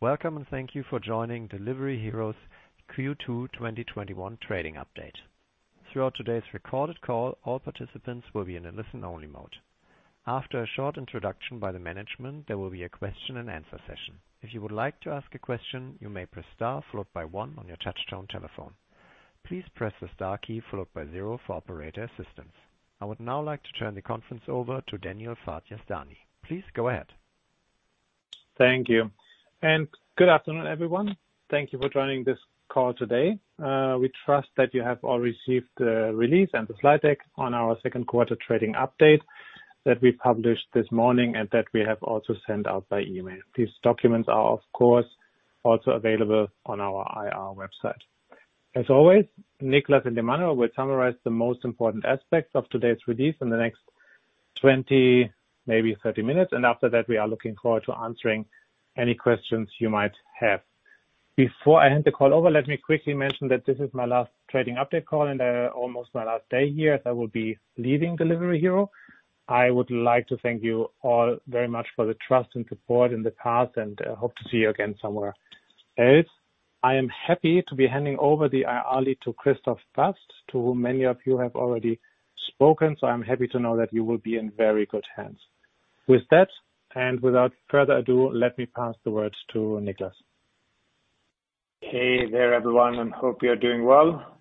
Welcome, and thank you for joining Delivery Hero's Q2 2021 trading update. Throughout today's recorded call, all participants will be in a listen-only mode. After a short introduction by the management, there will be a question-and-answer session. If you would like to ask a question, you may press star followed by one on your touchtone telephone. Please press the star key followed by zero for operator assistance. I would now like to turn the conference over to Daniel Fard-Yazdani. Please go ahead. Thank you. Good afternoon, everyone. Thank you for joining this call today. We trust that you have all received the release and the slide deck on our second quarter trading update that we published this morning and that we have also sent out by email. These documents are, of course, also available on our IR website. As always, Niklas and Emmanuel will summarize the most important aspects of today's release in the next 20, maybe 30 minutes. After that, we are looking forward to answering any questions you might have. Before I hand the call over, let me quickly mention that this is my last trading update call and almost my last day here, as I will be leaving Delivery Hero. I would like to thank you all very much for the trust and support in the past, and I hope to see you again somewhere else. I am happy to be handing over the IR lead to Christoph Bast, to whom many of you have already spoken, so I'm happy to know that you will be in very good hands. With that, and without further ado, let me pass the word to Niklas. Hey there, everyone, and hope you're doing well.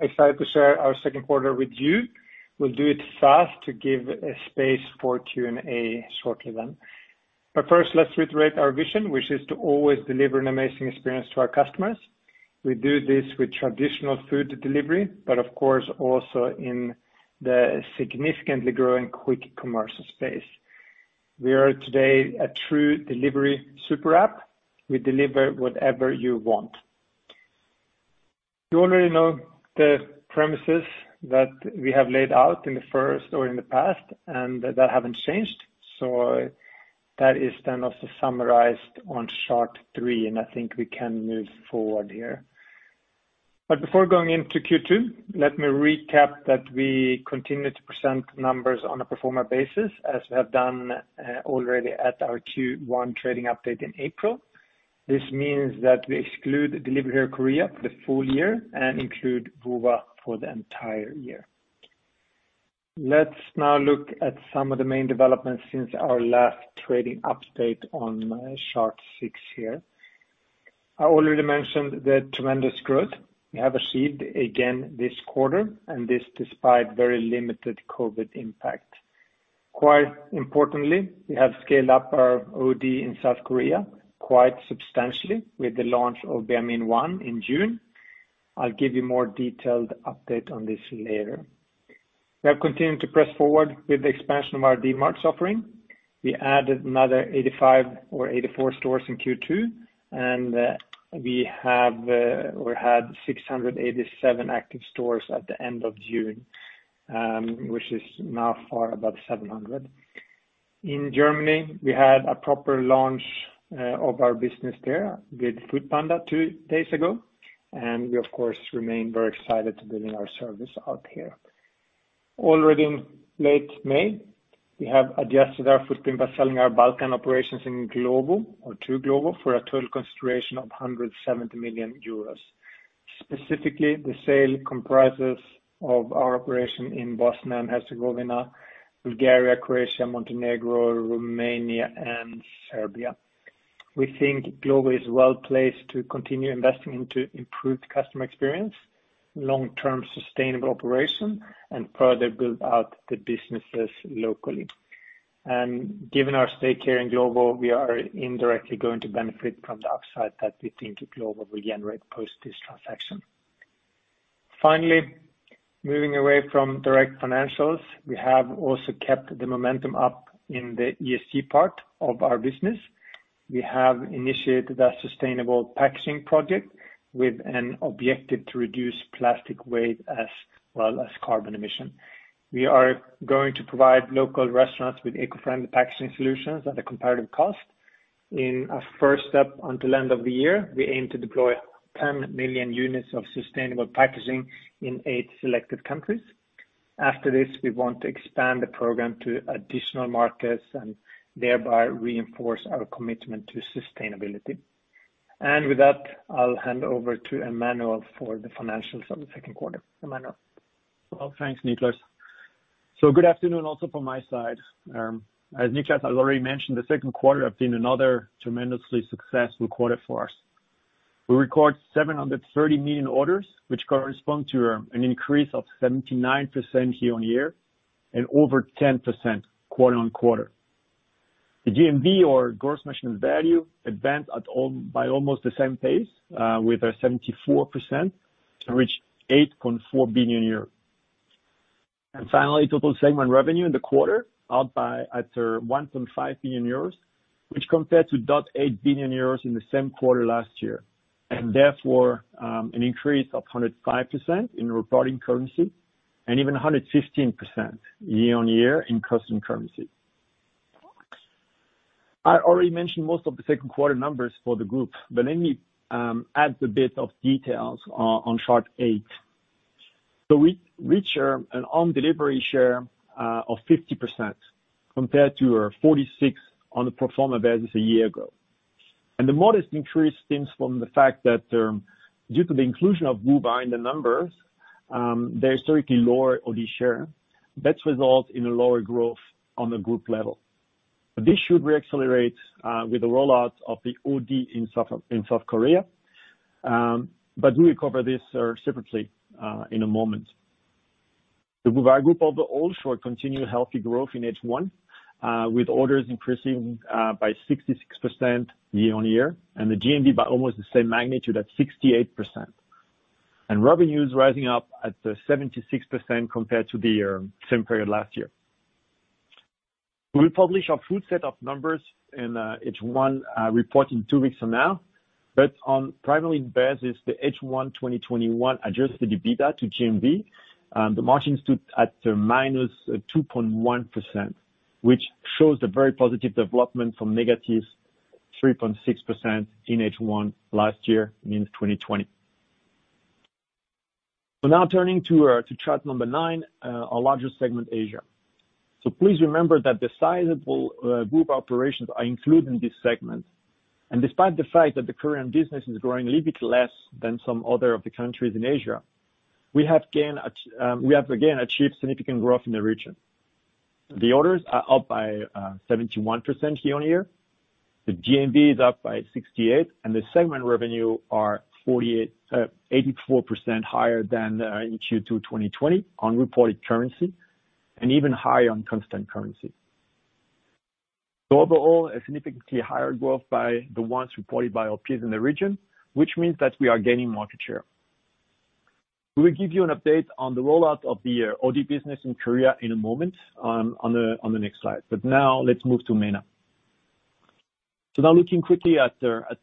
Excited to share our second quarter with you. We'll do it fast to give space for Q&A shortly then. First, let's reiterate our vision, which is to always deliver an amazing experience to our customers. We do this with traditional food delivery, but of course, also in the significantly growing quick commerce space. We are today a true delivery super app. We deliver whatever you want. You already know the premises that we have laid out in the first or in the past, and that haven't changed. That is then also summarized on chart 3, and I think we can move forward here. Before going into Q2, let me recap that we continue to present numbers on a pro forma basis as we have done already at our Q1 trading update in April. This means that we exclude Delivery Hero Korea for the full year and include Woowa for the entire year. Let's now look at some of the main developments since our last trading update on chart 6 here. I already mentioned the tremendous growth we have achieved again this quarter, and this despite very limited COVID impact. Quite importantly, we have scaled up our OD in South Korea quite substantially with the launch of Baemin1 in June. I'll give you more detailed update on this later. We have continued to press forward with the expansion of our Dmart offering. We added another 85 or 84 stores in Q2, and we have or had 687 active stores at the end of June, which is now far above 700. In Germany, we had a proper launch of our business there with foodpanda two days ago. We, of course, remain very excited to build our service out here. Already in late May, we have adjusted our footprint by selling our Balkan operations in Glovo or to Glovo for a total consideration of 170 million euros. Specifically, the sale comprises of our operation in Bosnia and Herzegovina, Bulgaria, Croatia, Montenegro, Romania, and Serbia. We think Glovo is well-placed to continue investing into improved customer experience, long-term sustainable operation, and further build out the businesses locally. Given our stake here in Glovo, we are indirectly going to benefit from the upside that we think Glovo will generate post this transaction. Finally, moving away from direct financials, we have also kept the momentum up in the ESG part of our business. We have initiated a sustainable packaging project with an objective to reduce plastic waste as well as carbon emission. We are going to provide local restaurants with eco-friendly packaging solutions at a comparative cost. In a first step until end of the year, we aim to deploy 10 million units of sustainable packaging in eight selected countries. After this, we want to expand the program to additional markets and thereby reinforce our commitment to sustainability. With that, I'll hand over to Emmanuel for the financials of the second quarter. Emmanuel. Well, thanks, Niklas. Good afternoon also from my side. As Niklas has already mentioned, the second quarter has been another tremendously successful quarter for us. We record 730 million orders, which correspond to an increase of 79% year-on-year and over 10% quarter-on-quarter. The GMV or gross merchandise value advanced by almost the same pace, with a 74% to reach 8.4 billion euros. Finally, total segment revenue in the quarter up by 1.5 billion euros, which compared to 8 billion euros in the same quarter last year, and therefore an increase of 105% in reporting currency and even 115% year-on-year in custom currency. I already mentioned most of the second quarter numbers for the group, but let me add a bit of details on chart 8. We reach an own delivery share of 50%, compared to 46% on a pro forma basis a year ago. The modest increase stems from the fact that due to the inclusion of Woowa in the numbers, they historically lower OD share. That result in a lower growth on the group level. This should re-accelerate with the rollout of the OD in South Korea, but we will cover this separately in a moment. The Woowa group of the offshore continued healthy growth in H1, with orders increasing by 66% year-on-year, and the GMV by almost the same magnitude at 68%. Revenues rising up at 76% compared to the same period last year. We will publish our full set of numbers in H1 report in two weeks from now. On preliminary basis, the H1 2021 Adjusted EBITDA to GMV, the margin stood at -2.1%, which shows a very positive development from -3.6% in H1 last year, means 2020. Now turning to chart number 9, our largest segment, Asia. Please remember that the sizable group operations are included in this segment. Despite the fact that the Korean business is growing a little bit less than some other of the countries in Asia, we have again achieved significant growth in the region. The orders are up by 71% year-on-year. The GMV is up by 68%, and the segment revenue are 84% higher than in Q2 2020 on reported currency, and even higher on constant currency. Overall, a significantly higher growth by the ones reported by peers in the region, which means that we are gaining market share. We will give you an update on the rollout of the OD business in Korea in a moment on the next slide. Now let's move to MENA. Now looking quickly at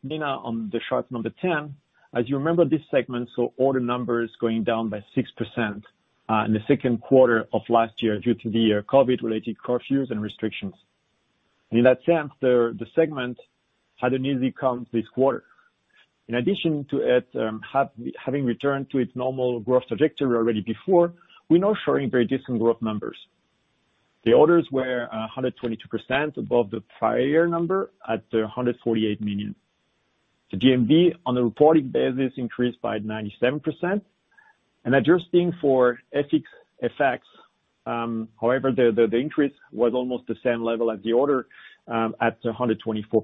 MENA on the chart number 10. As you remember this segment, order numbers going down by 6% in the second quarter of last year due to the COVID-related curfews and restrictions. In that sense, the segment had an easy comp this quarter. In addition to it having returned to its normal growth trajectory already before, we're now showing very decent growth numbers. The orders were 122% above the prior year number at 148 million. The GMV on a reporting basis increased by 97%. Adjusting for FX effects, however, the increase was almost the same level as the order at 124%.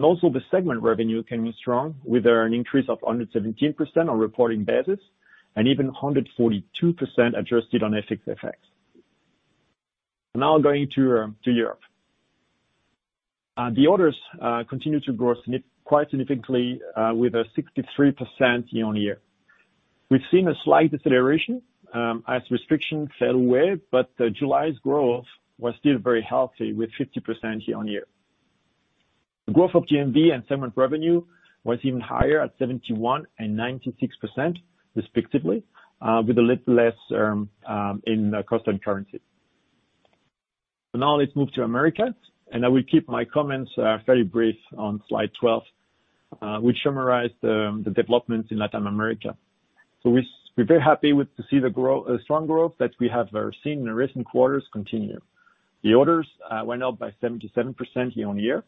Also the segment revenue came in strong with an increase of 117% on reporting basis, and even 142% adjusted on FX effects. Now going to Europe. The orders continue to grow quite significantly with a 63% year-on-year. We've seen a slight deceleration as restrictions fell away. July's growth was still very healthy with 50% year-on-year. The growth of GMV and segment revenue was even higher at 71% and 96% respectively, with a little less in constant currency. Now let's move to Americas, and I will keep my comments very brief on slide 12, which summarize the developments in Latin America. We're very happy to see the strong growth that we have seen in the recent quarters continue. The orders went up by 77% year-on-year.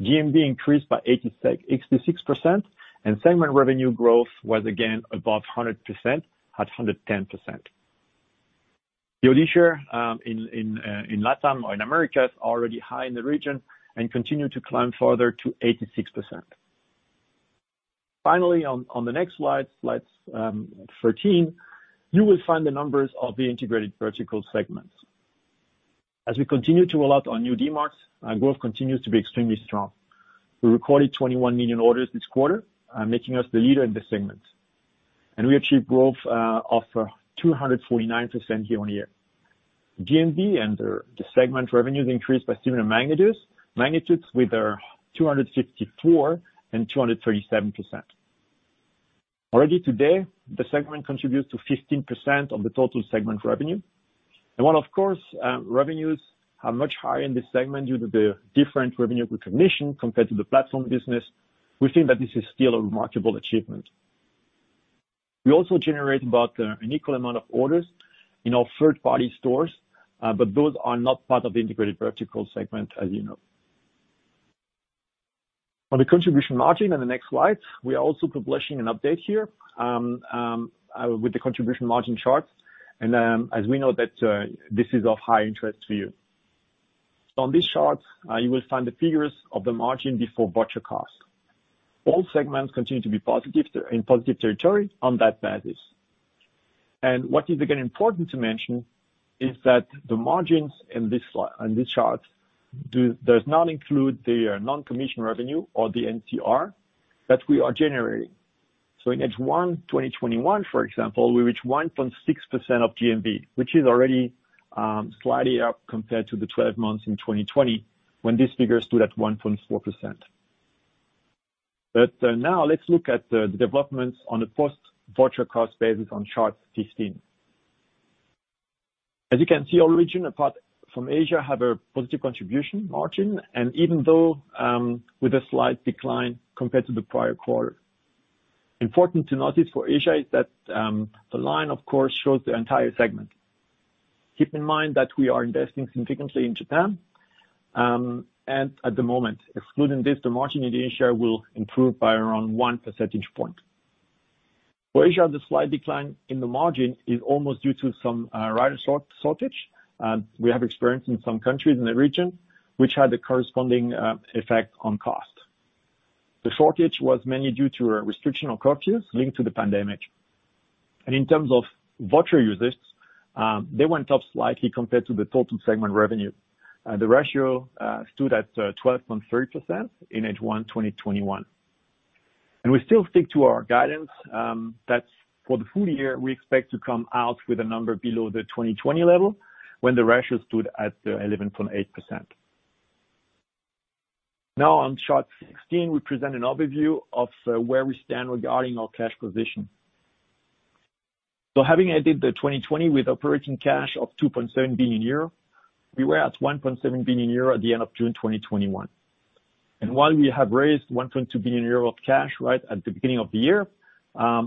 GMV increased by 86%, and segment revenue growth was again above 100% at 110%. The OD share in Latin or in Americas already high in the region and continue to climb further to 86%. Finally, on the next slide 13, you will find the numbers of the Integrated Verticals segments. As we continue to roll out our new Dmarts, our growth continues to be extremely strong. We recorded 21 million orders this quarter, making us the leader in the segment. We achieved growth of 249% year-on-year. GMV and the segment revenues increased by similar magnitudes with 254% and 237%. Already today, the segment contributes to 15% of the total segment revenue. While, of course, revenues are much higher in this segment due to the different revenue recognition compared to the platform business, we think that this is still a remarkable achievement. We also generate about an equal amount of orders in our third-party stores, but those are not part of the Integrated Verticals segment, as you know. On the contribution margin on the next slide, we are also publishing an update here with the contribution margin chart. As we know that this is of high interest to you. On this chart, you will find the figures of the margin before voucher cost. All segments continue to be in positive territory on that basis. What is again important to mention is that the margins on this chart does not include the non-commission revenue or the NCR that we are generating. In H1 2021, for example, we reach 1.6% of GMV, which is already slightly up compared to the 12 months in 2020 when this figure stood at 1.4%. Now let's look at the developments on a post-voucher cost basis on chart 15. As you can see, all regions apart from Asia have a positive contribution margin, and even though with a slight decline compared to the prior quarter. Important to notice for Asia is that the line, of course, shows the entire segment. Keep in mind that we are investing significantly in Japan. At the moment, excluding this, the margin in Asia will improve by around 1 percentage point. For Asia, the slight decline in the margin is almost due to some rider shortage we have experienced in some countries in the region, which had a corresponding effect on cost. The shortage was mainly due to a restriction of curfews linked to the pandemic. In terms of voucher users, they went up slightly compared to the total segment revenue. The ratio stood at 12.3% in H1 2021. We still stick to our guidance, that for the full year, we expect to come out with a number below the 2020 level when the ratio stood at 11.8%. Now on chart 16, we present an overview of where we stand regarding our cash position. Having ended 2020 with operating cash of 2.7 billion euro, we were at 1.7 billion euro at the end of June 2021. While we have raised 1.2 billion euro of cash right at the beginning of the year,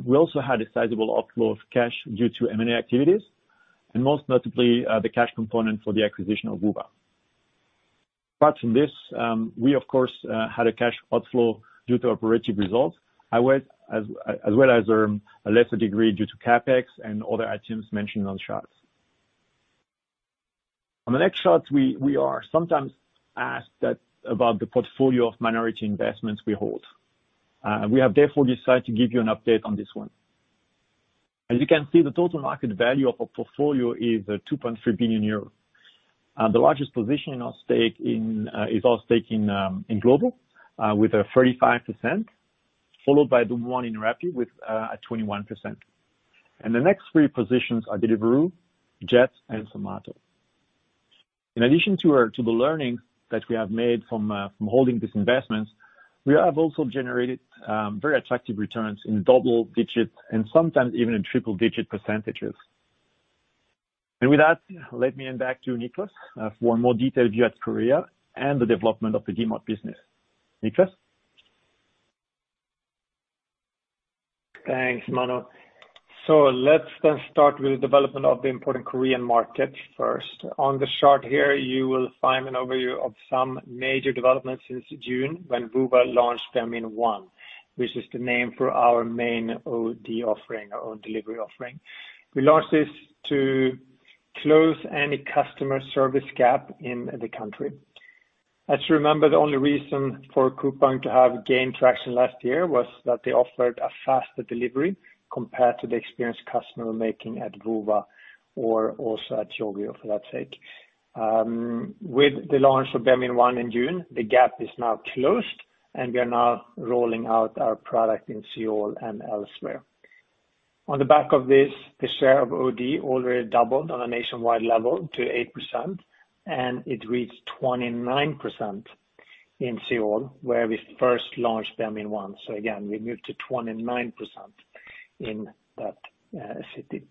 we also had a sizable outflow of cash due to M&A activities, and most notably, the cash component for the acquisition of Woowa. Apart from this, we of course, had a cash outflow due to operative results, as well as a lesser degree due to CapEx and other items mentioned on the charts. On the next chart, we are sometimes asked about the portfolio of minority investments we hold. We have therefore decided to give you an update on this one. As you can see, the total market value of our portfolio is 2.3 billion euros. The largest position is our stake in Glovo, with 35%, followed by Deliveroo and Rappi with 21%. The next three positions are Deliveroo, Jets, and Zomato. In addition to the learnings that we have made from holding these investments, we have also generated very attractive returns in double digits and sometimes even in triple-digit percentages. With that, let me hand back to Niklas for a more detailed view of Korea and the development of the delivery business. Niklas? Thanks, Emmanuel. Let's then start with the development of the important Korean market first. On the chart here, you will find an overview of some major developments since June when Woowa launched Baemin1, which is the name for our main OD offering, our own delivery offering. We launched this to close any customer service gap in the country. As you remember, the only reason for Coupang to have gained traction last year was that they offered a faster delivery compared to the experience customers were making at Woowa or also at Yogiyo, for that sake. With the launch of Baemin1 in June, the gap is now closed, and we are now rolling out our product in Seoul and elsewhere. On the back of this, the share of OD already doubled on a nationwide level to 8%, and it reached 29% in Seoul, where we first launched Baemin1. Again, we moved to 29% in that city.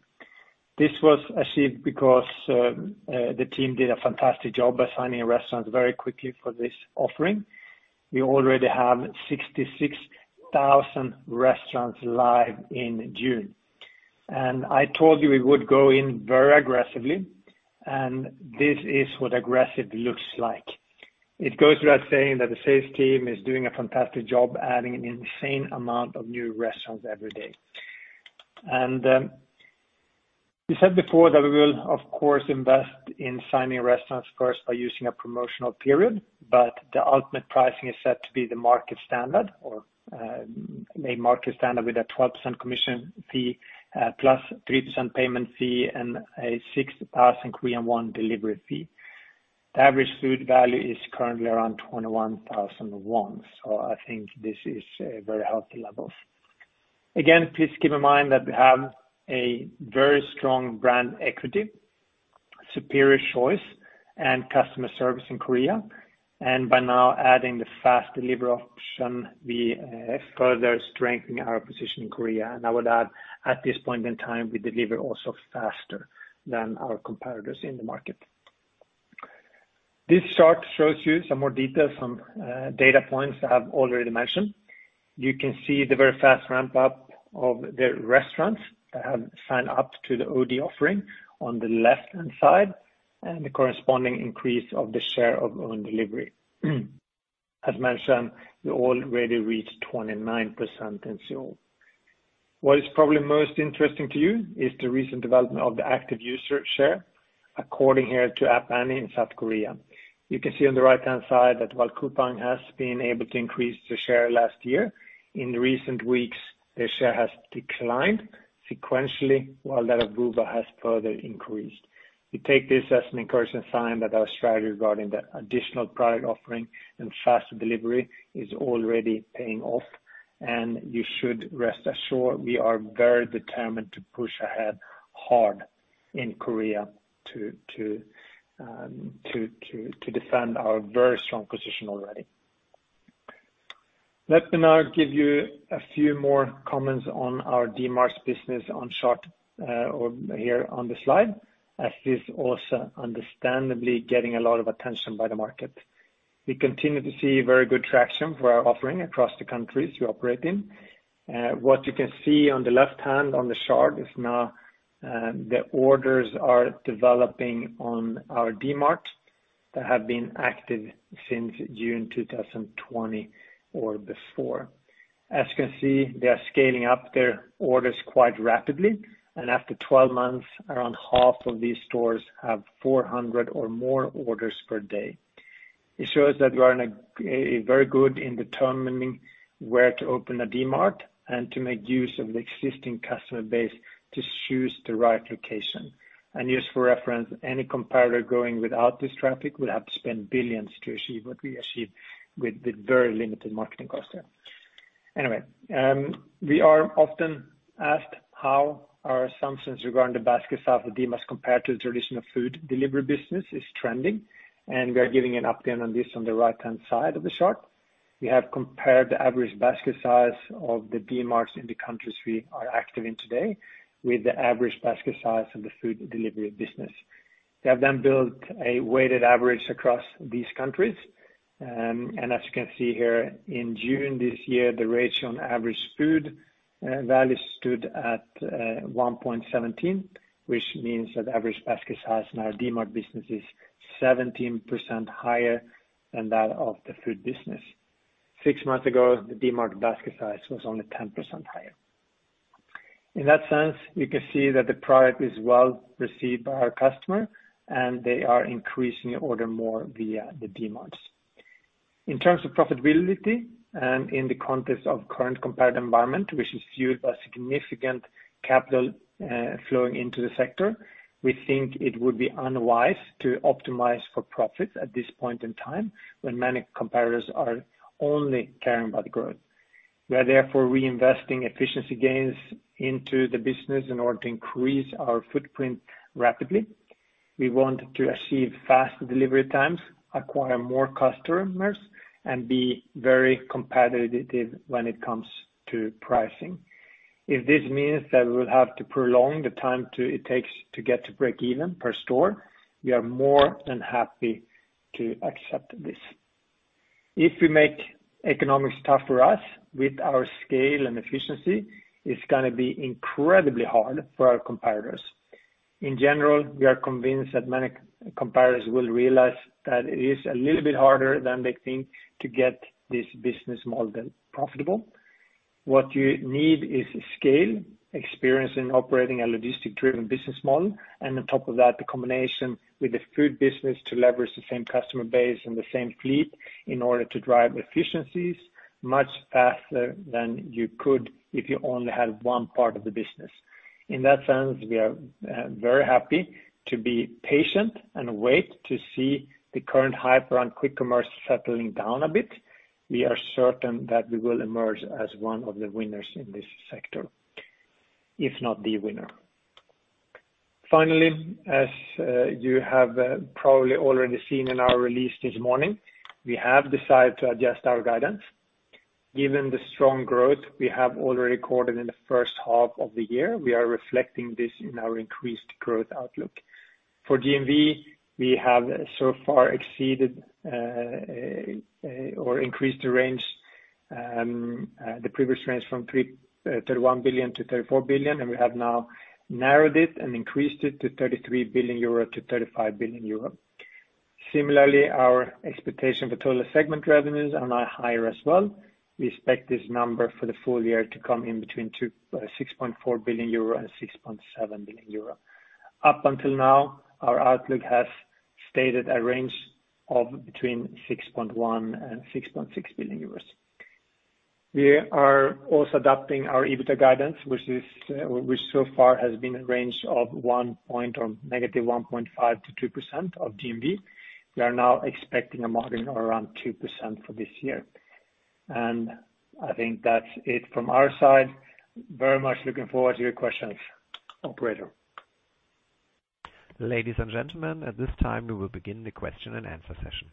This was achieved because the team did a fantastic job of signing restaurants very quickly for this offering. We already have 66,000 restaurants live in June. I told you we would go in very aggressively, and this is what aggressive looks like. It goes without saying that the sales team is doing a fantastic job adding an insane amount of new restaurants every day. We said before that we will, of course, invest in signing restaurants first by using a promotional period, but the ultimate pricing is set to be the market standard or a market standard with a 12% commission fee, plus 3% payment fee and a 6,000 Korean won delivery fee. The average food value is currently around 21,000 won. I think this is very healthy levels. Again, please keep in mind that we have a very strong brand equity, superior choice, and customer service in Korea. By now adding the fast delivery option, we further strengthen our position in Korea. I would add, at this point in time, we deliver also faster than our competitors in the market. This chart shows you some more details on data points I have already mentioned. You can see the very fast ramp-up of the restaurants that have signed up to the OD offering on the left-hand side and the corresponding increase of the share of own delivery. As mentioned, we already reached 29% in Seoul. What is probably most interesting to you is the recent development of the active user share according here to App Annie in South Korea. You can see on the right-hand side that while Coupang has been able to increase the share last year, in recent weeks, their share has declined sequentially while that of Woowa has further increased. You should rest assured we are very determined to push ahead hard in Korea to defend our very strong position already. Let me now give you a few more comments on our Dmarts business on chart, or here on the slide, as it is also understandably getting a lot of attention by the market. We continue to see very good traction for our offering across the countries we operate in. What you can see on the left hand on the chart is now the orders are developing on our Dmarts that have been active since June 2020 or before. As you can see, they are scaling up their orders quite rapidly, and after 12 months, around half of these stores have 400 or more orders per day. It shows that we are very good in determining where to open a Dmart and to make use of the existing customer base to choose the right location. Just for reference, any competitor going without this traffic would have to spend billions to achieve what we achieved with very limited marketing cost there. Anyway, we are often asked how our assumptions regarding the basket size of Dmarts compared to the traditional food delivery business is trending, and we are giving an update on this on the right-hand side of the chart. We have compared the average basket size of the Dmarts in the countries we are active in today with the average basket size of the food delivery business. We have built a weighted average across these countries. As you can see here, in June this year, the ratio on average food value stood at 1.17, which means that the average basket size in our Dmart business is 17% higher than that of the food business. Six months ago, the Dmart basket size was only 10% higher. In that sense, you can see that the product is well-received by our customer, and they are increasing order more via the Dmarts. In terms of profitability and in the context of current competitive environment, which is fueled by significant capital flowing into the sector, we think it would be unwise to optimize for profits at this point in time when many competitors are only caring about growth. We are therefore reinvesting efficiency gains into the business in order to increase our footprint rapidly. We want to achieve faster delivery times, acquire more customers, and be very competitive when it comes to pricing. If this means that we will have to prolong the time it takes to get to break even per store, we are more than happy to accept this. If we make economics tough for us with our scale and efficiency, it's going to be incredibly hard for our competitors. In general, we are convinced that many competitors will realize that it is a little bit harder than they think to get this business model profitable. What you need is scale, experience in operating a logistic-driven business model, and on top of that, the combination with the food business to leverage the same customer base and the same fleet in order to drive efficiencies much faster than you could if you only had one part of the business. In that sense, we are very happy to be patient and wait to see the current hype around quick commerce settling down a bit. We are certain that we will emerge as one of the winners in this sector, if not the winner. Finally, as you have probably already seen in our release this morning, we have decided to adjust our guidance. Given the strong growth we have already recorded in the first half of the year, we are reflecting this in our increased growth outlook. For GMV, we have so far exceeded or increased the previous range from 31 billion-34 billion, and we have now narrowed it and increased it to 33 billion-35 billion euro. Similarly, our expectation for total segment revenues are now higher as well. We expect this number for the full year to come in between 6.4 billion euro and 6.7 billion euro. Up until now, our outlook has stated a range of between 6.1 billion and 6.6 billion euros. We are also adapting our EBITDA guidance, which so far has been a range of -1.5% to 2% of GMV. We are now expecting a margin of around 2% for this year. I think that's it from our side. Very much looking forward to your questions. Operator. Ladies and gentlemen, at this time, we will begin the question-and-answer session.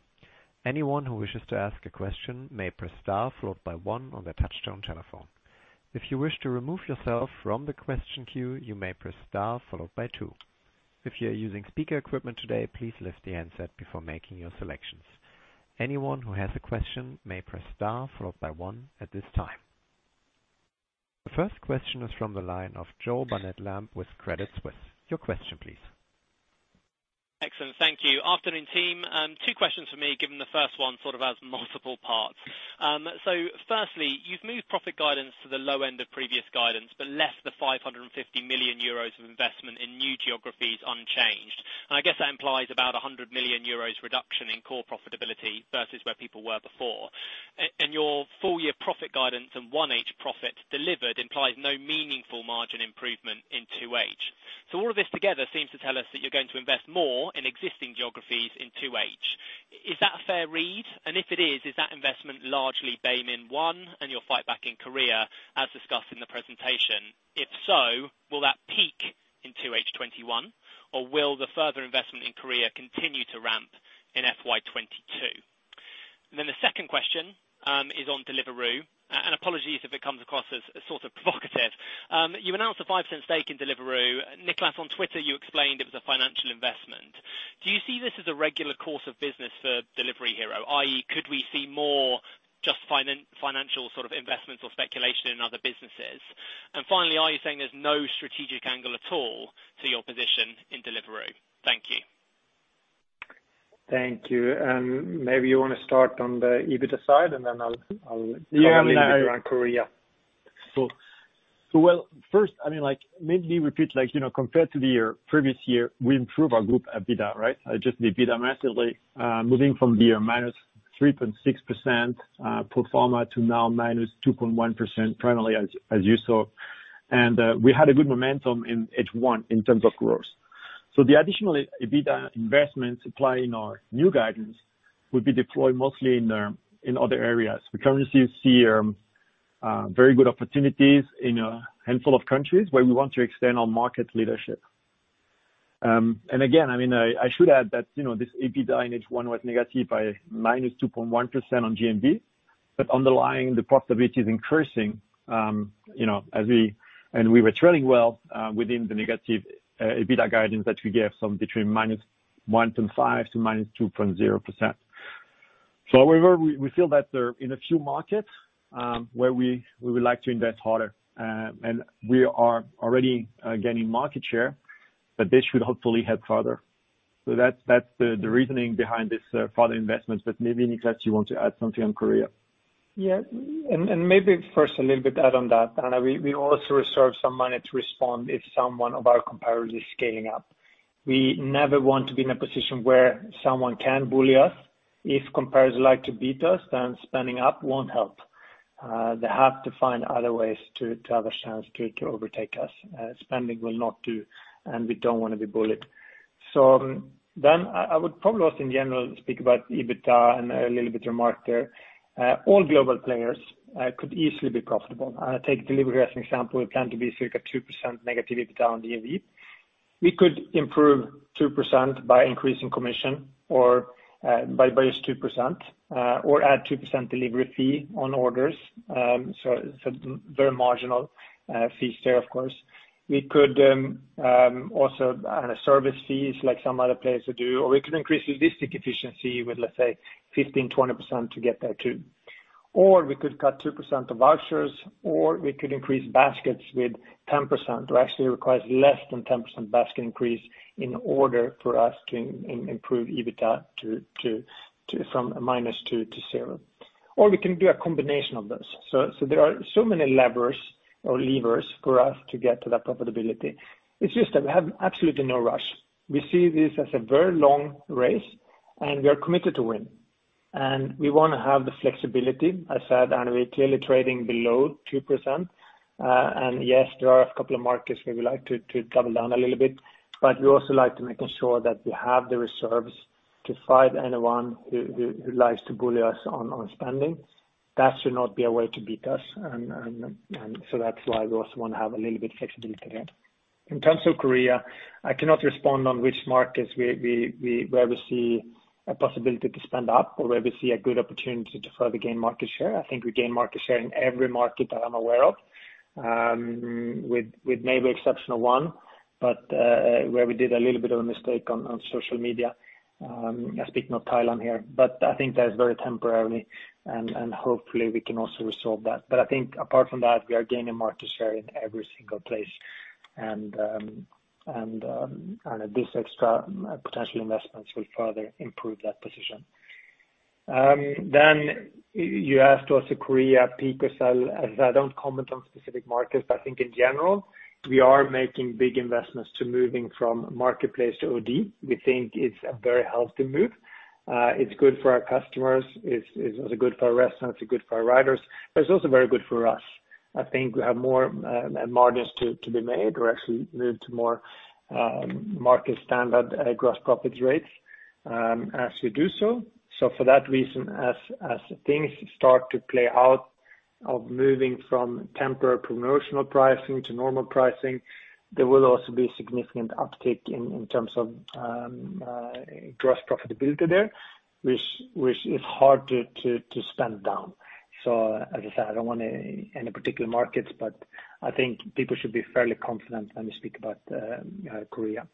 The first question is from the line of Joseph Barnet-Lamb with Credit Suisse. Your question please. Excellent. Thank you. Afternoon, team. Two questions for me, given the first one sort of has multiple parts. Firstly, you've moved profit guidance to the low end of previous guidance, but left the 550 million euros of investment in new geographies unchanged, and I guess that implies about 100 million euros reduction in core profitability versus where people were before. Your full-year profit guidance and 1H profit delivered implies no meaningful margin improvement in 2H. All of this together seems to tell us that you're going to invest more in existing geographies in 2H. Is that a fair read? If it is that investment largely Baemin 1 and your fight back in Korea, as discussed in the presentation? If so, will that peak in 2H 2021, or will the further investment in Korea continue to ramp in FY 2022? The second question is on Deliveroo, and apologies if it comes across as sort of provocative. You announced a 5% stake in Deliveroo. Niklas, on Twitter, you explained it was a financial investment. Do you see this as a regular course of business for Delivery Hero? i.e., could we see more just financial sort of investments or speculation in other businesses? Finally, are you saying there's no strategic angle at all to your position in Deliveroo? Thank you. Thank you. Maybe you want to start on the EBITDA side and I'll cover a little bit around Korea. Well, first, maybe repeat, compared to the previous year, we improved our group EBITDA, right? Adjust the EBITDA massively, moving from the minus 3.6% pro forma to now minus 2.1% primarily as you saw. We had a good momentum in H1 in terms of growth. The additional EBITDA investment supply in our new guidance would be deployed mostly in other areas. We currently see very good opportunities in a handful of countries where we want to extend our market leadership. Again, I should add that this EBITDA in H1 was negative by minus 2.1% on GMV, underlying the profitability is increasing, and we were trailing well within the negative EBITDA guidance that we gave, between -1.5% and -2.0%. However, we feel that in a few markets, where we would like to invest harder. We are already gaining market share, but this should hopefully help further. That's the reasoning behind this further investment, but maybe, Niklas, you want to add something on Korea. Yeah. Maybe first a little bit add on that, and we also reserve some money to respond if someone of our competitors is scaling up. We never want to be in a position where someone can bully us. If competitors like to beat us, spending won't help. They have to find other ways to have a chance to overtake us. Spending will not do, and we don't want to be bullied. I would probably also in general speak about EBITDA and a little bit remark there. All global players could easily be profitable. Take Delivery as an example. We plan to be circa 2% negative EBITDA on GMV. We could improve 2% by increasing commission or by just 2%, or add 2% delivery fee on orders. It's a very marginal fee there, of course. We could also add service fees like some other players do, or we could increase logistic efficiency with, let's say, 15%-20% to get there too. We could cut 2% of vouchers, or we could increase baskets with 10%, or actually requires less than 10% basket increase in order for us to improve EBITDA from -2 to zero. We can do a combination of those. There are so many levers for us to get to that profitability. It's just that we have absolutely no rush. We see this as a very long race, and we are committed to win. We want to have the flexibility. As said, we're clearly trading below 2%. Yes, there are a couple of markets where we like to travel down a little bit, but we also like to making sure that we have the reserves to fight anyone who likes to bully us on spending. That should not be a way to beat us. That's why we also want to have a little bit of flexibility there. In terms of Korea, I cannot respond on which markets where we see a possibility to spend up or where we see a good opportunity to further gain market share. I think we gain market share in every market that I'm aware of, with maybe exceptional one, but where we did a little bit of a mistake on social media. I speak of Thailand here, but I think that's very temporarily, and hopefully, we can also resolve that. I think apart from that, we are gaining market share in every single place. This extra potential investments will further improve that position. You asked also Korea, Peak as I don't comment on specific markets. I think in general, we are making big investments to moving from marketplace to OD. We think it's a very healthy move. It's good for our customers, it's also good for our restaurants, it's good for our riders, but it's also very good for us. I think we have more margins to be made. We're actually moving to more market standard gross profit rates as we do so. For that reason, as things start to play out of moving from temporary promotional pricing to normal pricing, there will also be significant uptick in terms of gross profitability there, which is hard to spend down. As I said, I don't want any particular markets, but I think people should be fairly confident when we speak about Korea.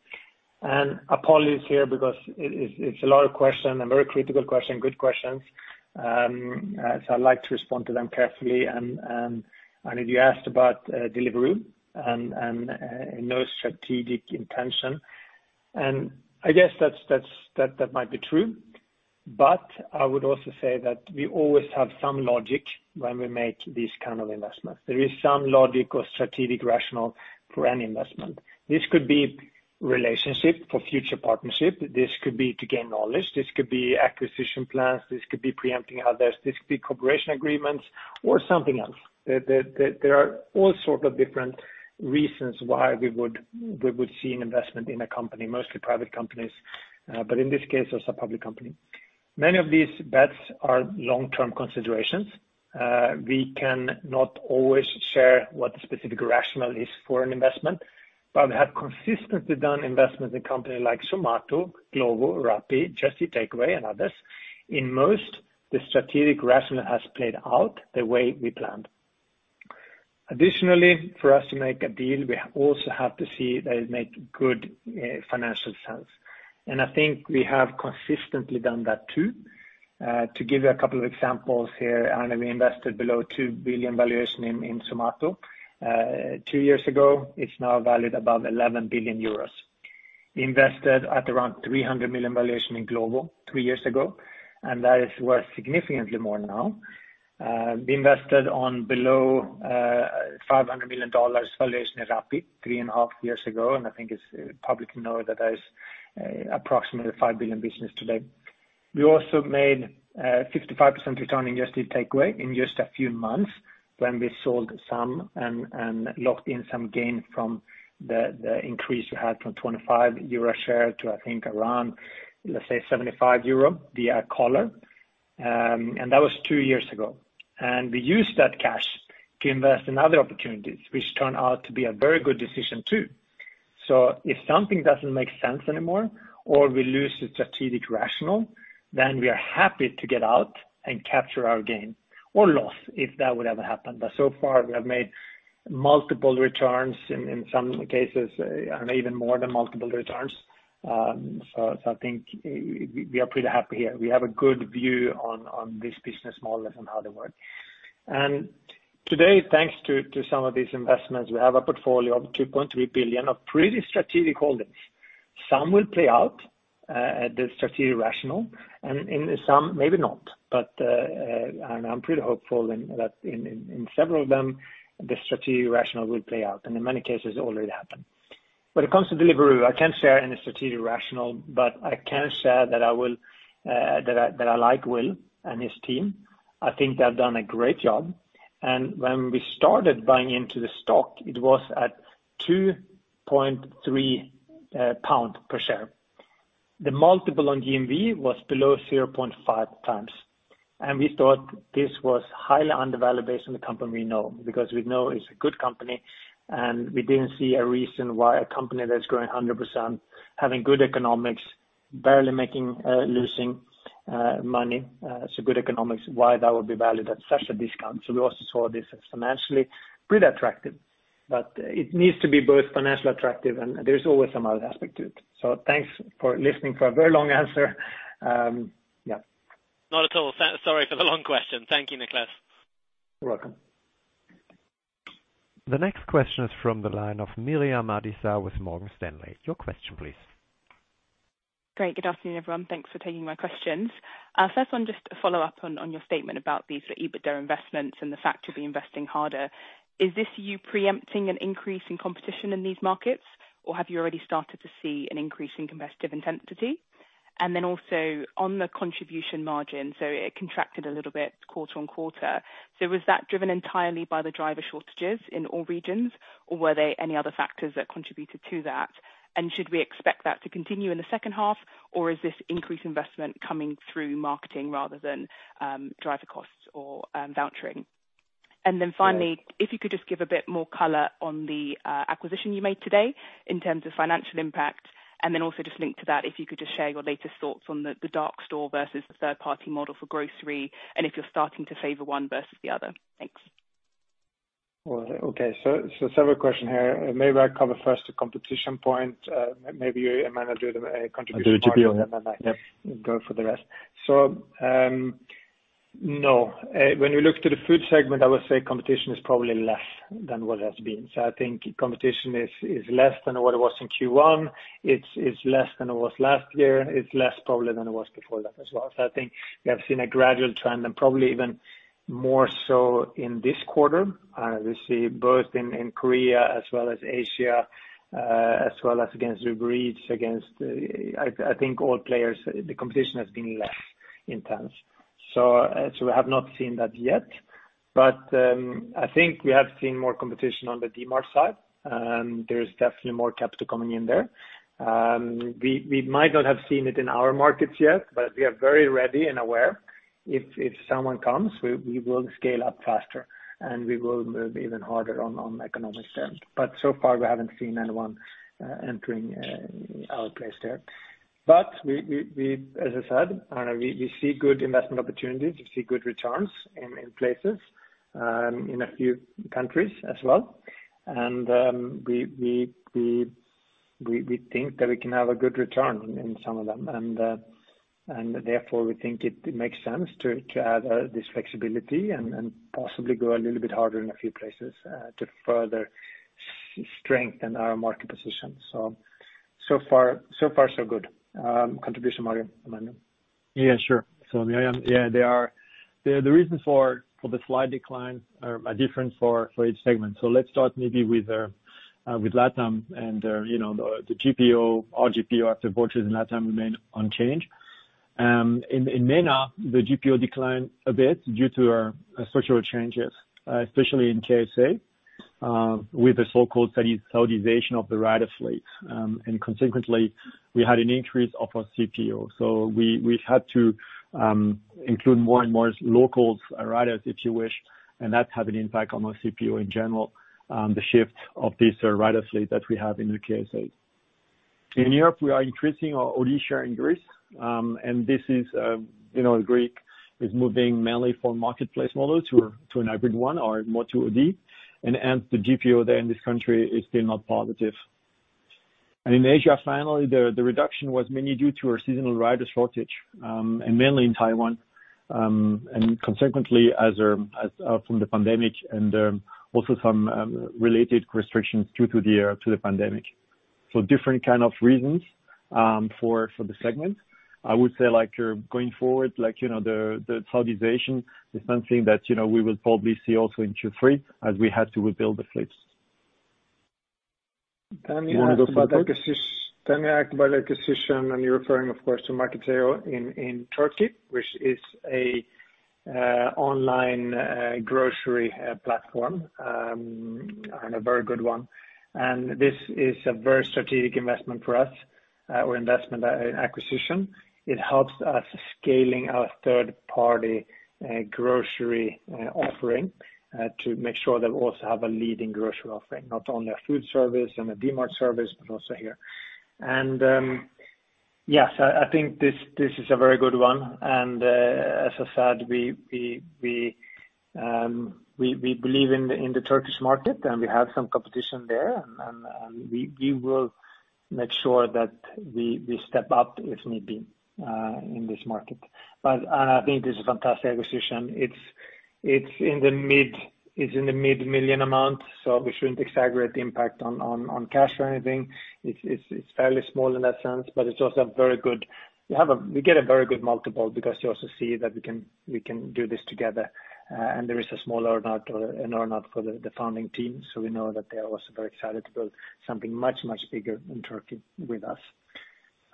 Apologies here because it's a lot of question, a very critical question, good questions. I'd like to respond to them carefully. You asked about Deliveroo, no strategic intention. I guess that might be true, but I would also say that we always have some logic when we make these kind of investments. There is some logic or strategic rationale for any investment. This could be relationship for future partnership. This could be to gain knowledge. This could be acquisition plans. This could be preempting others. This could be cooperation agreements or something else. There are all sorts of different reasons why we would see an investment in a company, mostly private companies. In this case, it's a public company. Many of these bets are long-term considerations. We can not always share what the specific rationale is for an investment. We have consistently done investments in companies like Zomato, Glovo, Rappi, Just Eat Takeaway, and others. In most, the strategic rationale has played out the way we planned. Additionally, for us to make a deal, we also have to see that it makes good financial sense. I think we have consistently done that, too. To give you a couple of examples here, we invested below 2 billion valuation in Zomato two years ago. It's now valued above 11 billion euros. We invested at around 300 million valuation in Glovo three years ago, and that is worth significantly more now. We invested on below $500 million valuation in Rappi three and a half years ago, and I think it's publicly known that that is approximately a $5 billion business today. We also made a 55% return in Just Eat Takeaway in just a few months when we sold some and locked in some gain from the increase we had from 25 euro share to, I think, around, let's say, 75 euro via Careem. That was two years ago. We used that cash to invest in other opportunities, which turned out to be a very good decision, too. If something doesn't make sense anymore or we lose the strategic rationale, then we are happy to get out and capture our gain or loss, if that would ever happen. So far, we have made multiple returns in some cases, and even more than multiple returns. I think we are pretty happy here. We have a good view on this business model and how they work. Today, thanks to some of these investments, we have a portfolio of 2.3 billion of pretty strategic holdings. Some will play out the strategic rationale, and in some, maybe not. I'm pretty hopeful that in several of them, the strategic rationale will play out, and in many cases, already happened. When it comes to Deliveroo, I can't share any strategic rationale, but I can share that I like Will and his team. I think they've done a great job. When we started buying into the stock, it was at 2.3 pound per share. The multiple on GMV was below 0.5x, and we thought this was highly undervalued based on the company we know, because we know it's a good company, and we didn't see a reason why a company that's growing 100%, having good economics, barely losing money. Good economics, why that would be valued at such a discount. We also saw this as financially pretty attractive. It needs to be both financially attractive and there's always some other aspect to it. Thanks for listening for a very long answer. Yeah. Not at all. Sorry for the long question. Thank you, Niklas. You're welcome. The next question is from the line of Miriam Adisa with Morgan Stanley. Your question, please. Great. Good afternoon, everyone. Thanks for taking my questions. First one, just a follow-up on your statement about these EBITDA investments and the fact you'll be investing harder. Is this you preempting an increase in competition in these markets, or have you already started to see an increase in competitive intensity? Also on the contribution margin. It contracted a little bit quarter-on-quarter. Was that driven entirely by the driver shortages in all regions, or were there any other factors that contributed to that? Should we expect that to continue in the second half, or is this increased investment coming through marketing rather than driver costs or vouchering? Finally, if you could just give a bit more color on the acquisition you made today in terms of financial impact, and then also just linked to that, if you could just share your latest thoughts on the dark store versus the third-party model for grocery and if you're starting to favor one versus the other. Thanks. Okay. Several questions here. Maybe I cover first the competition point. Maybe Emmanuel do the contribution margin. I'll do the GPO, yeah. I go for the rest. No. When we look to the food segment, I would say competition is probably less than what it has been. I think competition is less than what it was in Q1. It's less than it was last year. It's less probably than it was before that as well. I think we have seen a gradual trend and probably even more so in this quarter. We see both in Korea as well as Asia, as well as against Uber Eats. I think all players, the competition has been less intense. We have not seen that yet. I think we have seen more competition on the Dmart side. There's definitely more capital coming in there. We might not have seen it in our markets yet, but we are very ready and aware. If someone comes, we will scale up faster, and we will move even harder on economic spend. So far, we haven't seen anyone entering our place there. As I said, we see good investment opportunities. We see good returns in places, in a few countries as well. We think that we can have a good return in some of them. Therefore we think it makes sense to add this flexibility and possibly go a little bit harder in a few places to further strengthen our market position. So far so good. contribution margin, Emmanuel. Yeah, sure. Miriam, the reasons for the slight decline are different for each segment. Let's start maybe with Latam and the GPO. Our GPO after vouchers in Latam remain unchanged. In MENA, the GPO declined a bit due to our structural changes, especially in KSA, with the so-called Saudization of the rider fleet. Consequently, we had an increase of our CPO. We had to include more and more local riders, if you wish, and that's had an impact on our CPO in general, the shift of this rider fleet that we have in the KSA. In Europe, we are increasing our OD share in Greece is moving mainly from marketplace model to a hybrid one or more to OD, and the GPO there in this country is still not positive. In Asia, finally, the reduction was mainly due to our seasonal riders shortage, and mainly in Taiwan. Consequently, from the pandemic and also some related restrictions due to the pandemic. Different kind of reasons for the segment. I would say going forward, the stabilization is something that we will probably see also in Q3 as we had to rebuild the fleets. Tanya asked about acquisition, and you're referring, of course, to Marketyo in Turkey, which is an online grocery platform, and a very good one. This is a very strategic investment for us, or investment acquisition. It helps us scaling our third-party grocery offering to make sure that we also have a leading grocery offering, not only a food service and a Dmart service, but also here. Yes, I think this is a very good one, and as I said, we believe in the Turkish market, and we have some competition there, and we will make sure that we step up if need be in this market. I think this is a fantastic acquisition. It is in the mid million amount, so we shouldn't exaggerate the impact on cash or anything. It's fairly small in that sense, but we get a very good multiple because we also see that we can do this together. There is a small earn-out for the founding team, so we know that they are also very excited to build something much, much bigger in Turkey with us.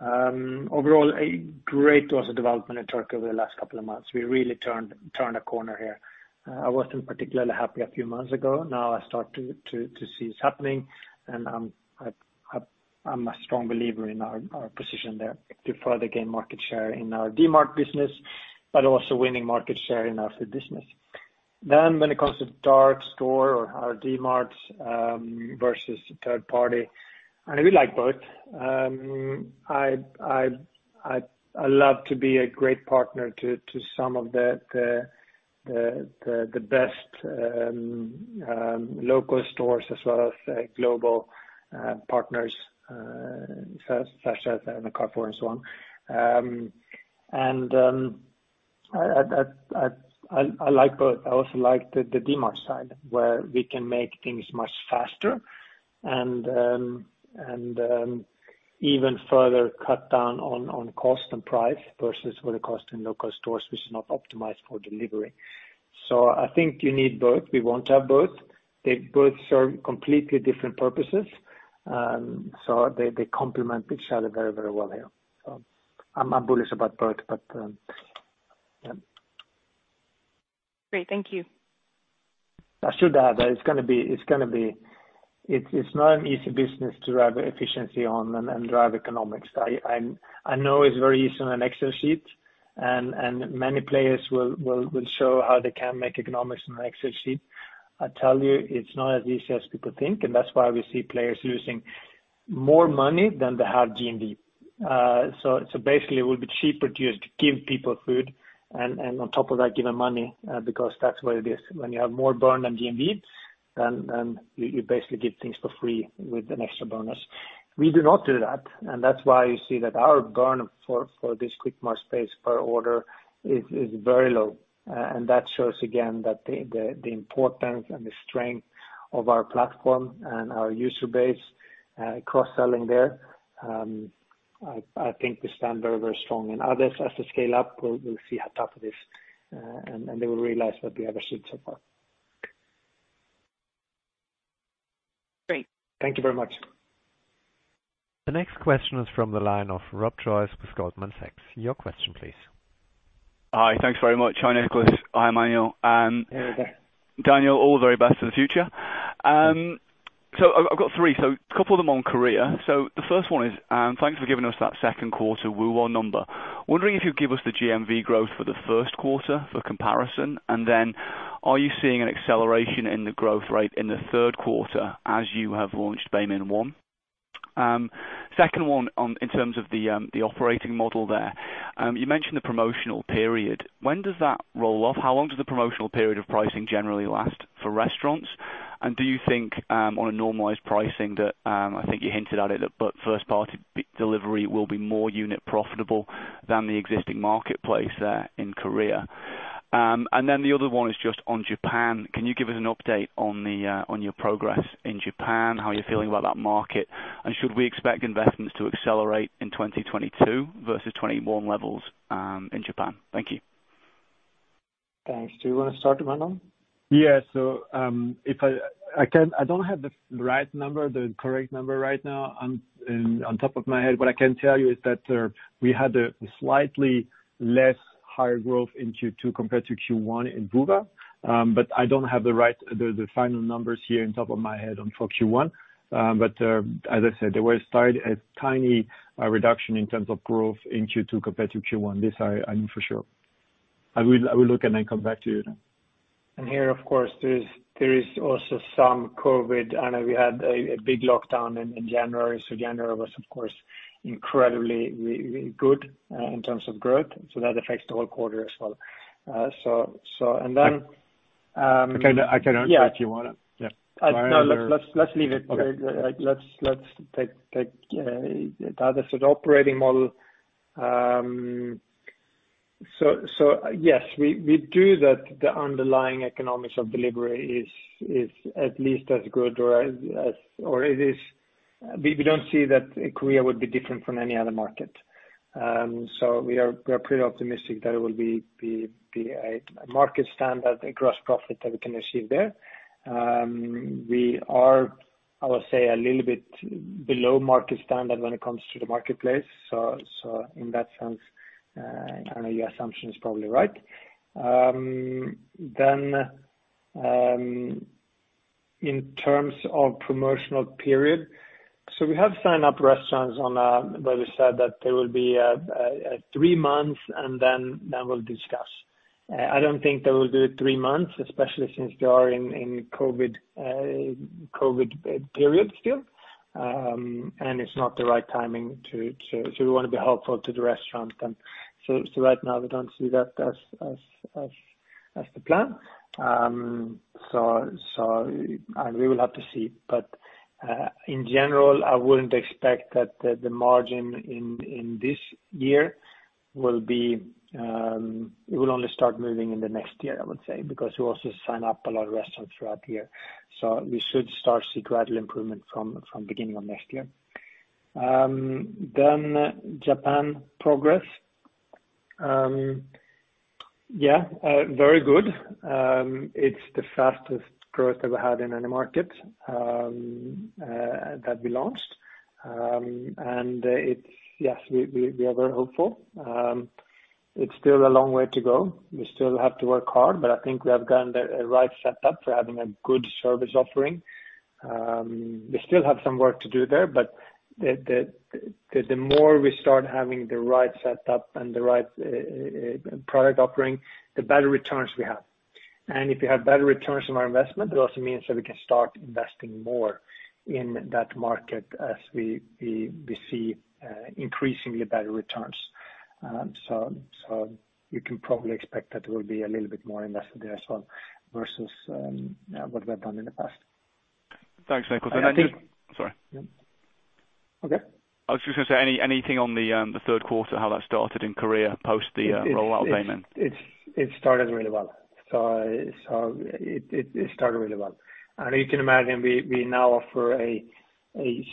Overall, a great also development in Turkey over the last couple of months. We really turned a corner here. I wasn't particularly happy a few months ago. Now I start to see it's happening, and I'm a strong believer in our position there to further gain market share in our Dmart business, but also winning market share in our food business. When it comes to dark store or our Dmarts versus third party, and we like both. I love to be a great partner to some of the best local stores as well as global partners such as Carrefour and so on. I like both. I also like the Dmart side where we can make things much faster and even further cut down on cost and price versus what it costs in local stores which is not optimized for delivery. I think you need both. We want to have both. They both serve completely different purposes, so they complement each other very, very well here. I'm bullish about both, but yeah. Great. Thank you. I should add that it's not an easy business to drive efficiency on and drive economics. I know it's very easy on an Excel sheet, and many players will show how they can make economics on an Excel sheet. I tell you, it's not as easy as people think, and that's why we see players losing more money than they have GMV. Basically, it will be cheaper to just give people food and on top of that give them money, because that's the way it is. When you have more burn than GMV, then you basically give things for free with an extra bonus. We do not do that, and that's why you see that our burn for this Dmart space per order is very low. That shows again that the importance and the strength of our platform and our user base cross-selling there, I think we stand very, very strong in others. As they scale up, we will see how tough it is, and they will realize that we have a suite support. Great. Thank you very much. The next question is from the line of Rob Joyce with Goldman Sachs. Your question please. Hi. Thanks very much. Hi, Niklas. Hi, Emmanuel. Hey, Rob. Daniel, all the very best for the future. I've got three, couple of them on Korea. The first one is, thanks for giving us that second quarter Woowa number. Wondering if you could give us the GMV growth for the first quarter for comparison, are you seeing an acceleration in the growth rate in the third quarter as you have launched Baemin One? Second one in terms of the operating model there. You mentioned the promotional period. When does that roll off? How long does the promotional period of pricing generally last for restaurants? Do you think, on a normalized pricing that, I think you hinted at it, that first-party delivery will be more unit profitable than the existing marketplace there in Korea? The other one is just on Japan. Can you give us an update on your progress in Japan? How are you feeling about that market, and should we expect investments to accelerate in 2022 versus 2021 levels, in Japan? Thank you. Thanks. Do you want to start, Emmanuel? I don't have the right number, the correct number right now on top of my head. What I can tell you is that we had a slightly less higher growth in Q2 compared to Q1 in Woowa. I don't have the final numbers here on top of my head for Q1. As I said, there was a tiny reduction in terms of growth in Q2 compared to Q1. This I know for sure. I will look and then come back to you then. Here, of course, there is also some COVID. I know we had a big lockdown in January. January was of course incredibly good in terms of growth. That affects the whole quarter as well. I can answer if you want. Yeah. No, let's leave it. Okay. Let's take the other sort of operating model. Yes, we do that. The underlying economics of delivery is at least as good. We don't see that Korea would be different from any other market. We are pretty optimistic that it will be a market standard, a gross profit that we can achieve there. We are, I would say, a little bit below market standard when it comes to the marketplace. In that sense, I know your assumption is probably right. In terms of promotional period. We have signed up restaurants where we said that there will be three months and then we'll discuss. I don't think they will do three months, especially since they are in COVID period still. It's not the right timing. We want to be helpful to the restaurant. Right now we don't see that as the plan. We will have to see. In general, I wouldn't expect that the margin in this year, it will only start moving in the next year, I would say, because we also sign up a lot of restaurants throughout the year. We should start to see gradual improvement from beginning of next year. Japan progress. Very good. It's the fastest growth that we had in any market that we launched. Yes, we are very hopeful. It's still a long way to go. We still have to work hard, but I think we have gotten the right setup for having a good service offering. We still have some work to do there, but the more we start having the right setup and the right product offering, the better returns we have. If we have better returns on our investment, it also means that we can start investing more in that market as we see increasingly better returns. You can probably expect that there will be a little bit more invested there as well versus what we've done in the past. Thanks, Niklas. Sorry. Okay. I was just going to say, anything on the third quarter, how that started in Korea post the rollout of Baemin? It started really well. It started really well. You can imagine we now offer a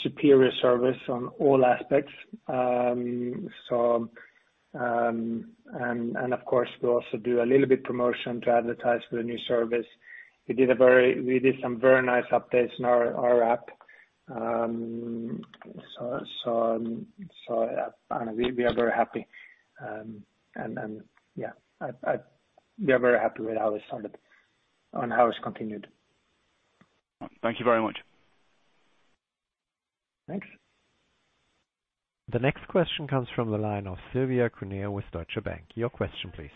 superior service on all aspects. Of course we also do a little bit promotion to advertise the new service. We did some very nice updates in our app. We are very happy. Yeah, we are very happy with how it started and how it's continued. Thank you very much. Thanks. The next question comes from the line of Silvia Cuneo with Deutsche Bank. Your question please.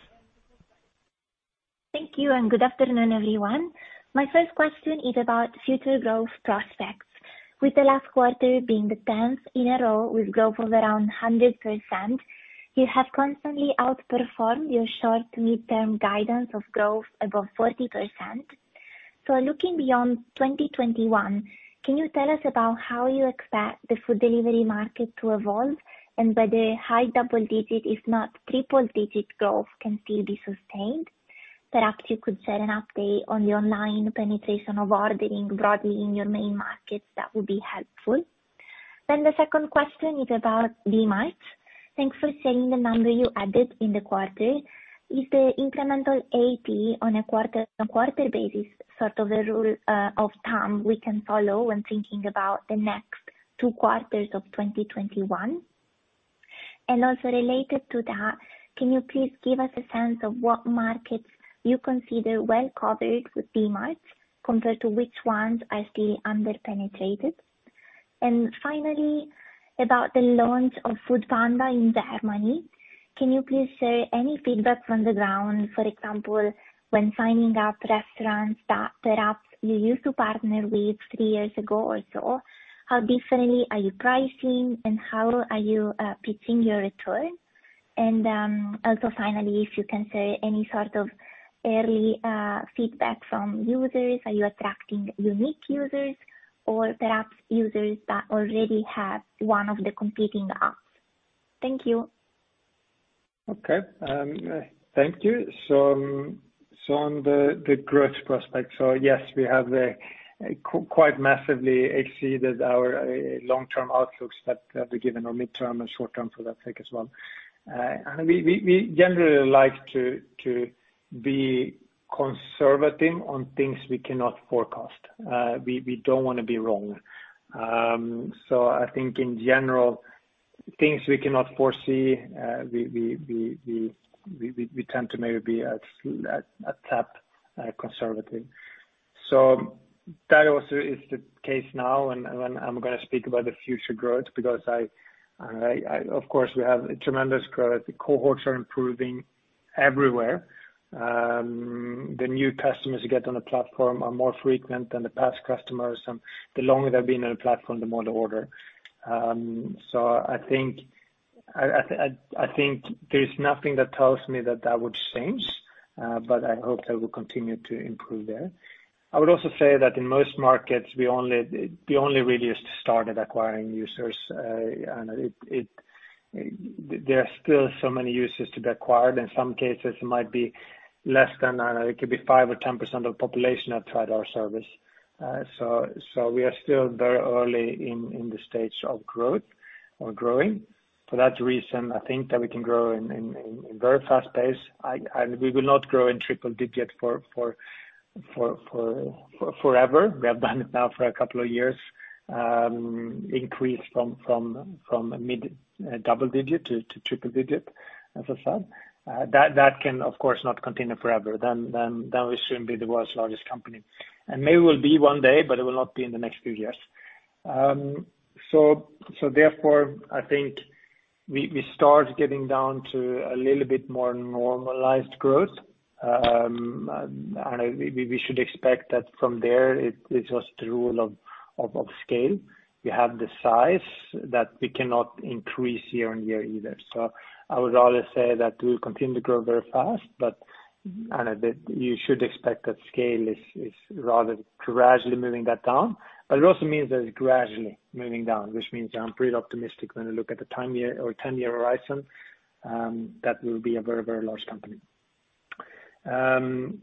Thank you. Good afternoon, everyone. My first question is about future growth prospects. With the last quarter being the 10th in a row with growth of around 100%, you have constantly outperformed your short midterm guidance of growth above 40%. Looking beyond 2021, can you tell us about how you expect the food delivery market to evolve? Whether high double digit, if not triple digit growth can still be sustained? Perhaps you could share an update on the online penetration of ordering broadly in your main markets, that would be helpful. The second question is about Dmarts. Thanks for sharing the number you added in the quarter. Is the incremental 80 on a quarter-on-quarter basis sort of the rule of thumb we can follow when thinking about the next two quarters of 2021? Also related to that, can you please give us a sense of what markets you consider well-covered with Dmarts compared to which ones are still under-penetrated? Finally, about the launch of foodpanda in Germany, can you please share any feedback from the ground? For example, when signing up restaurants that perhaps you used to partner with three years ago or so, how differently are you pricing and how are you pitching your return? Also finally, if you can share any sort of early feedback from users, are you attracting unique users or perhaps users that already have one of the competing apps? Thank you. Okay. Thank you. On the growth prospects. Yes, we have quite massively exceeded our long-term outlooks that we've given our midterm and short-term for that sake as well. We generally like to be conservative on things we cannot forecast. We don't want to be wrong. I think in general, things we cannot foresee, we tend to maybe be a tap conservative. That also is the case now, and when I'm going to speak about the future growth, because of course we have a tremendous growth. The cohorts are improving everywhere. The new customers who get on the platform are more frequent than the past customers, and the longer they've been on the platform, the more they order. I think there's nothing that tells me that that would change, but I hope that we'll continue to improve there. I would also say that in most markets, we only really just started acquiring users. There are still so many users to be acquired. In some cases, it might be less than, it could be 5% or 10% of the population have tried our service. We are still very early in the stage of growing. For that reason, I think that we can grow in very fast pace, and we will not grow in triple-digit forever. We have done it now for a couple of years, increase from a mid-double-digit to triple-digit as I said. That can of course not continue forever, then we soon be the world's largest company. Maybe we'll be one day, but it will not be in the next few years. Therefore, I think we start getting down to a little bit more normalized growth. We should expect that from there, it's just the rule of scale. You have the size that we cannot increase year-on-year either. I would rather say that we'll continue to grow very fast, but you should expect that scale is rather gradually moving that down. It also means that it's gradually moving down, which means I'm pretty optimistic when you look at the 10-year horizon, that will be a very large company. When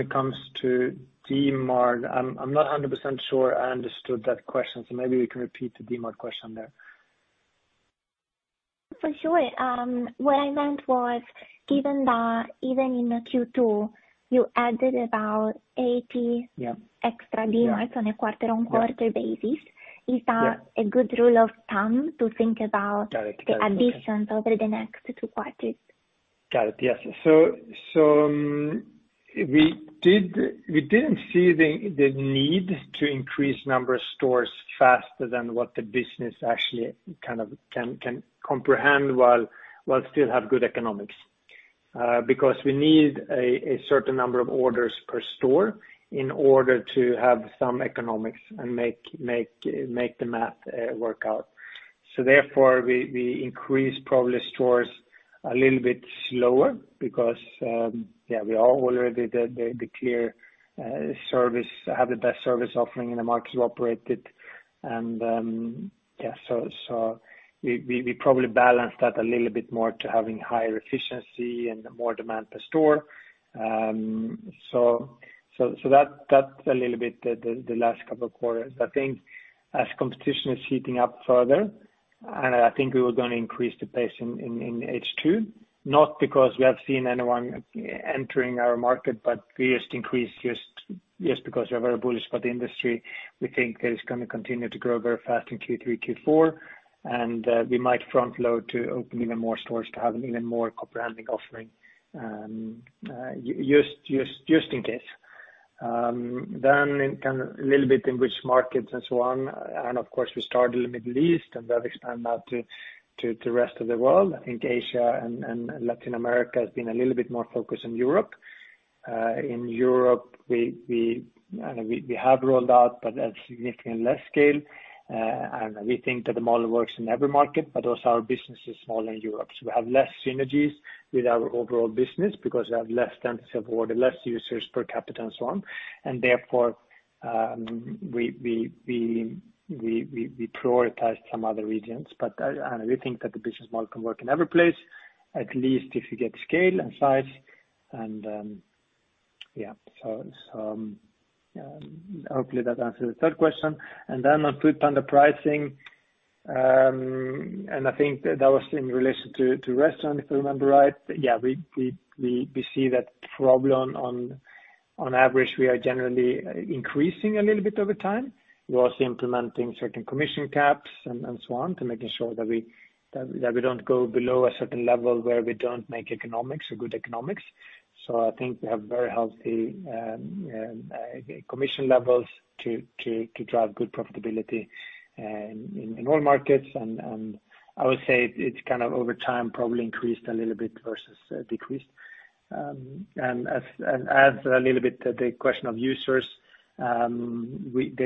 it comes to Dmart, I'm not 100% sure I understood that question, so maybe we can repeat the Dmart question there. For sure. What I meant was, given that even in the Q2, you added about 80 extra Dmarts on a quarter-on-quarter basis. Yeah. Is that a good rule of thumb to think about the additions over the next two quarters? Got it. Yes. We didn't see the need to increase number of stores faster than what the business actually can comprehend while still have good economics. Because we need a certain number of orders per store in order to have some economics and make the math work out. Therefore, we increase probably stores a little bit slower because, yeah, we are already the clear service, have the best service offering in the markets we operated. Yeah, we probably balance that a little bit more to having higher efficiency and more demand per store. That's a little bit the last couple of quarters. I think as competition is heating up further, I think we were going to increase the pace in H2, not because we have seen anyone entering our market, but we just increase because we are very bullish about the industry. We think that it's going to continue to grow very fast in Q3, Q4, and we might front-load to open even more stores to have an even more comprehensive offering just in case. Can a little bit in which markets and so on. Of course, we start in the Middle East and then expand out to rest of the world. I think Asia and Latin America has been a little bit more focused on Europe. In Europe, we have rolled out, but at significantly less scale. We think that the model works in every market, but also our business is small in Europe. We have less synergies with our overall business because we have less density of order, less users per capita and so on. Therefore, we prioritize some other regions. We think that the business model can work in every place, at least if you get scale and size. Yeah. Hopefully that answers the third question. Then on foodpanda pricing, and I think that was in relation to restaurant, if I remember right. Yeah, we see that problem on average, we are generally increasing a little bit over time. We're also implementing certain commission caps and so on to making sure that we don't go below a certain level where we don't make economics or good economics. I think we have very healthy commission levels to drive good profitability in all markets, and I would say it's over time probably increased a little bit versus decreased. As a little bit the question of users, that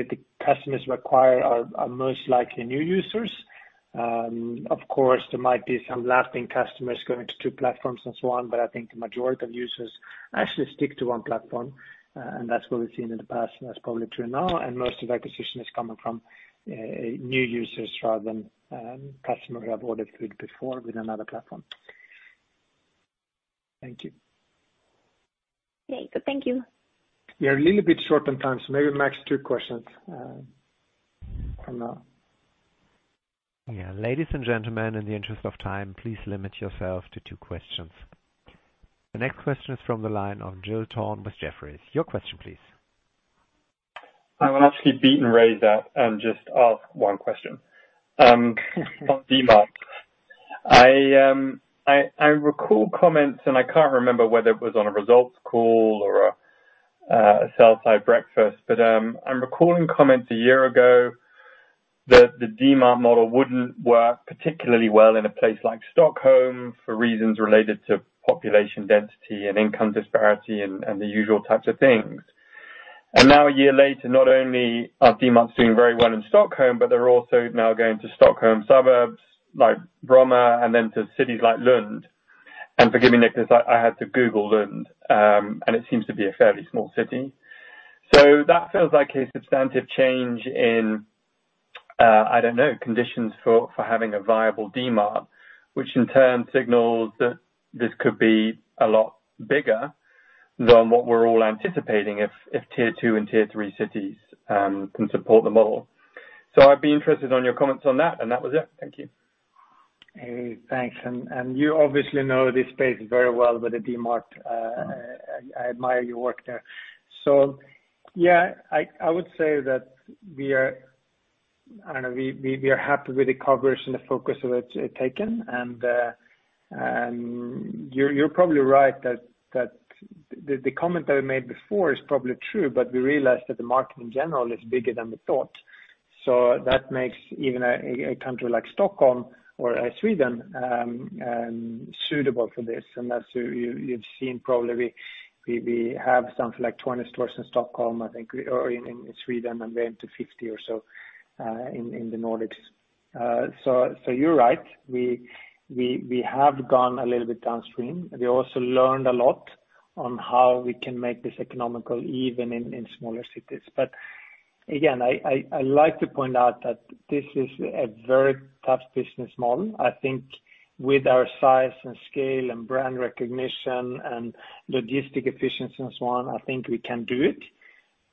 the customers require are most likely new users. There might be some lasting customers going to two platforms and so on, but I think the majority of users actually stick to one platform. That's what we've seen in the past, and that's probably true now, and most of acquisition is coming from new users rather than customers who have ordered food before with another platform. Thank you. Okay. Thank you. We are a little bit short on time, so maybe max 2 questions from now. Yeah. Ladies and gentlemen, in the interest of time, please limit yourself to two questions. The next question is from the line of Giles Thorne with Jefferies. Your question, please. I will actually beat and raise that and just ask 1 question on Dmart. I recall comments, and I can't remember whether it was on a results call or a sell-side breakfast, but I'm recalling comments a year ago that the Dmart model wouldn't work particularly well in a place like Stockholm for reasons related to population density and income disparity and the usual types of things. Now a year later, not only are Dmarts doing very well in Stockholm, but they're also now going to Stockholm suburbs like Bromma and then to cities like Lund. Forgive me, Niklas, I had to Google Lund, and it seems to be a fairly small city. That feels like a substantive change in, I don't know, conditions for having a viable Dmart, which in turn signals that this could be a lot bigger than what we're all anticipating if tier 2 and tier 3 cities can support the model. I'd be interested on your comments on that, and that was it. Thank you. Hey, thanks. You obviously know this space very well with the Dmart. I admire your work there. Yeah, I would say that we are happy with the coverage and the focus that it's taken. You're probably right that the comment that we made before is probably true, but we realized that the market in general is bigger than we thought. That makes even a country like Stockholm or Sweden suitable for this, and as you've seen probably, we have something like 20 stores in Stockholm, I think, or in Sweden, and we're into 50 or so in the Nordics. You're right, we have gone a little bit downstream. We also learned a lot on how we can make this economical even in smaller cities. Again, I like to point out that this is a very tough business model. I think with our size and scale and brand recognition and logistic efficiency and so on, I think we can do it,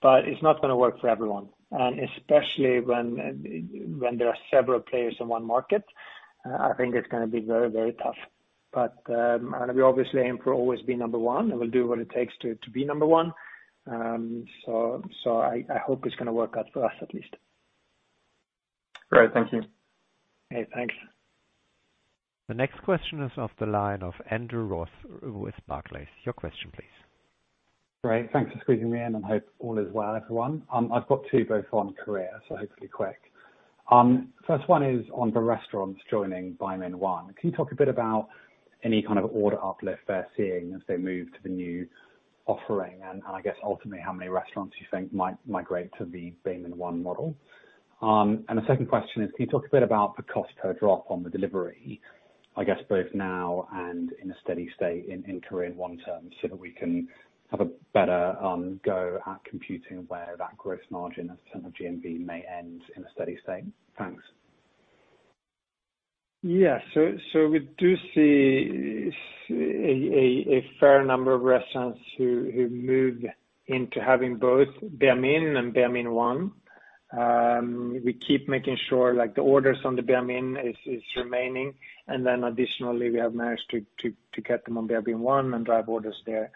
but it's not going to work for everyone. Especially when there are several players in one market, I think it's going to be very, very tough. We obviously aim to always be number one, and we'll do what it takes to be number one. I hope it's going to work out for us at least. Great. Thank you. Hey, thanks. The next question is off the line of Andrew Ross with Barclays. Your question please. Great. Thanks for squeezing me in, and hope all is well, everyone. I've got two both on Korea, so hopefully quick. First one is on the restaurants joining Baemin 1. Can you talk a bit about any kind of order uplift they're seeing as they move to the new offering? I guess ultimately, how many restaurants you think might migrate to the Baemin 1 model? The second question is, can you talk a bit about the cost per drop on the delivery, I guess both now and in a steady state in Korean won terms, so that we can have a better go at computing where that gross margin as a percent of GMV may end in a steady state? Thanks. Yeah. We do see a fair number of restaurants who move into having both Baemin and Baemin 1. We keep making sure the orders on the Baemin is remaining. Additionally, we have managed to get them on Baemin 1 and drive orders there.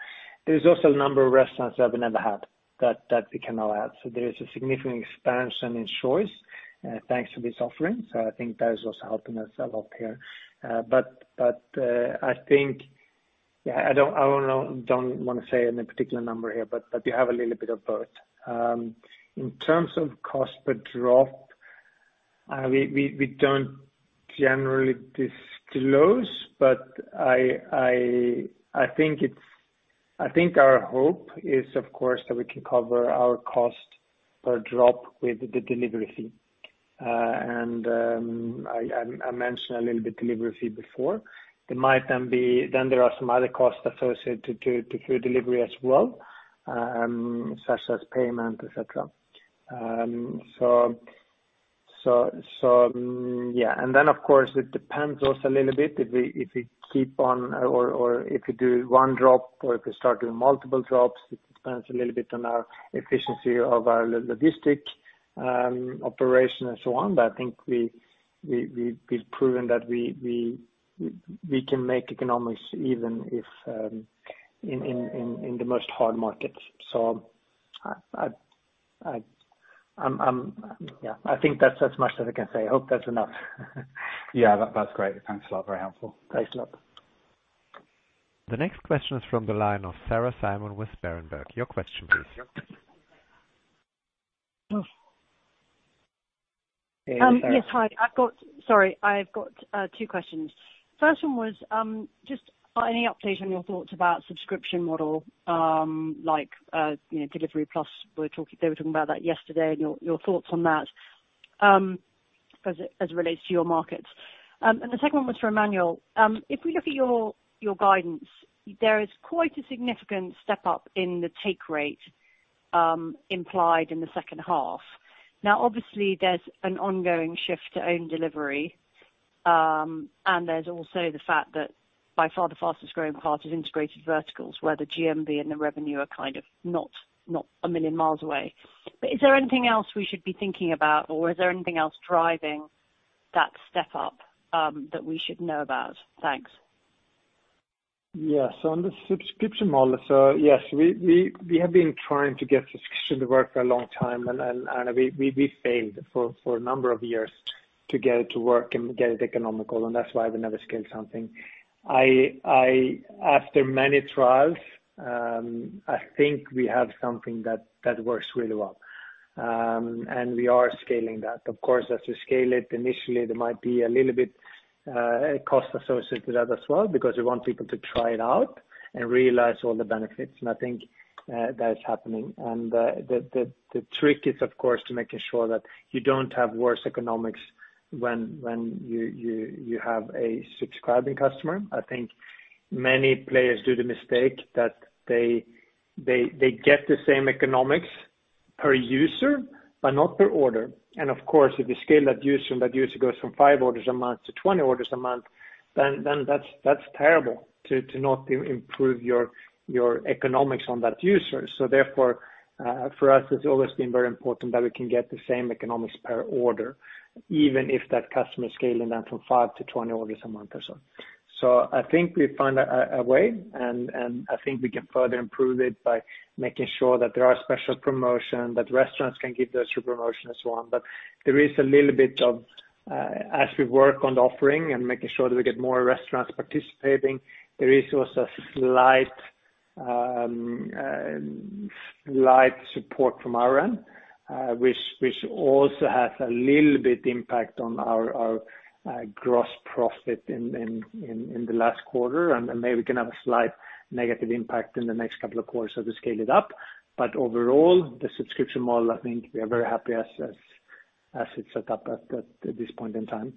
There's also a number of restaurants that we never had that we can now add. There is a significant expansion in choice thanks to this offering. I think that is also helping us a lot here. I think, I don't want to say any particular number here, but we have a little bit of both. In terms of cost per drop, we don't generally disclose, but I think our hope is, of course, that we can cover our cost per drop with the delivery fee. I mentioned a little bit delivery fee before. There are some other costs associated to food delivery as well, such as payment, et cetera. Of course, it depends also a little bit if we keep on or if we do one drop or if we start doing multiple drops. It depends a little bit on our efficiency of our logistic operation and so on. I think we've proven that we can make economics even in the most hard markets. I think that's as much as I can say. I hope that's enough. Yeah, that's great. Thanks a lot. Very helpful. Thanks a lot. The next question is from the line of Sarah Simon with Berenberg. Your question please. Hey, Sarah. Yes. Hi. Sorry, I've got two questions. First one was just any update on your thoughts about subscription model, like Deliveroo Plus, they were talking about that yesterday and your thoughts on that as it relates to your markets. The second one was for Emmanuel. If we look at your guidance, there is quite a significant step up in the take rate implied in the second half. Now, obviously there's an ongoing shift to own delivery, and there's also the fact that by far the fastest growing part is Integrated Verticals, where the GMV and the revenue are kind of not a million miles away. Is there anything else we should be thinking about or is there anything else driving that step up that we should know about? Thanks. Yes. On the subscription model, we have been trying to get subscription to work for a long time, and we failed for a number of years to get it to work and get it economical. That's why we never scaled something. After many trials, I think we have something that works really well. We are scaling that. Of course, as we scale it, initially there might be a little bit cost associated to that as well, because we want people to try it out and realize all the benefits. I think that is happening. The trick is, of course, to making sure that you don't have worse economics when you have a subscribing customer. I think many players do the mistake that they get the same economics per user, but not per order. Of course, if you scale that user and that user goes from 5 orders a month to 20 orders a month, then that's terrible to not improve your economics on that user. Therefore, for us, it's always been very important that we can get the same economics per order, even if that customer is scaling that from 5 to 20 orders a month or so. I think we found a way, and I think we can further improve it by making sure that there are special promotion, that restaurants can give those super promotion and so on. There is a little bit of, as we work on the offering and making sure that we get more restaurants participating, there is also slight support from our end, which also has a little bit impact on our gross profit in the last quarter. Maybe we can have a slight negative impact in the next couple of quarters so to scale it up. Overall, the subscription model, I think we are very happy as it's set up at this point in time.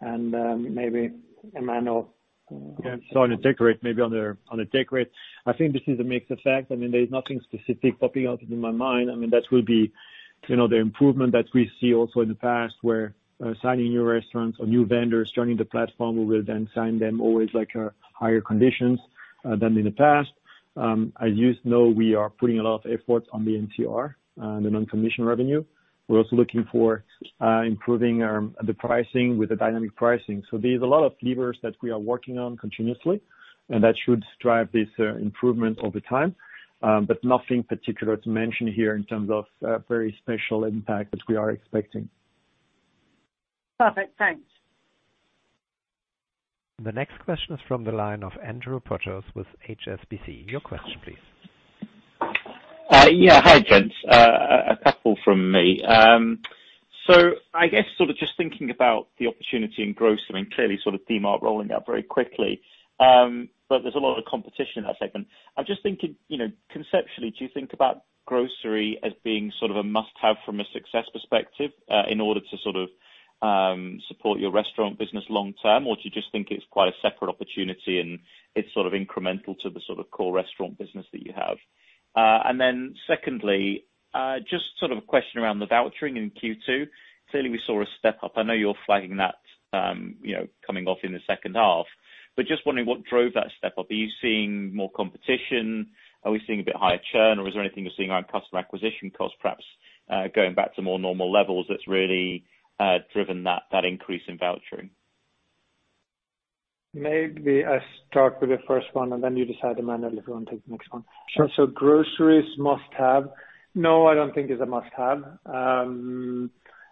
Maybe Emmanuel. On the take rate, I think this is a mixed effect. There's nothing specific popping out in my mind. That will be the improvement that we see also in the past where signing new restaurants or new vendors joining the platform, we will then sign them always like higher conditions than in the past. As you know, we are putting a lot of efforts on the NCR, the non-commission revenue. We're also looking for improving the pricing with the dynamic pricing. There's a lot of levers that we are working on continuously, and that should drive this improvement over time. Nothing particular to mention here in terms of very special impact that we are expecting. Perfect. Thanks. The next question is from the line of Andrew Porteous with HSBC. Your question, please. Yeah. Hi, gents. A couple from me. I guess thinking about the opportunity in grocery, clearly Dmart rolling out very quickly. There's a lot of competition in that segment. I'm thinking, conceptually, do you think about grocery as being a must-have from a success perspective, in order to support your restaurant business long term? Do you think it's quite a separate opportunity and it's incremental to the core restaurant business that you have? Secondly, a question around the vouchering in Q2. Clearly, we saw a step up. I know you're flagging that coming off in the second half, but wondering what drove that step up. Are you seeing more competition? Are we seeing a bit higher churn or is there anything you're seeing on customer acquisition cost, perhaps, going back to more normal levels that's really driven that increase in vouchering? Maybe I start with the first one, and then you decide, Emmanuel, if you want to take the next one. Sure. Groceries must have. No, I don't think it's a must have.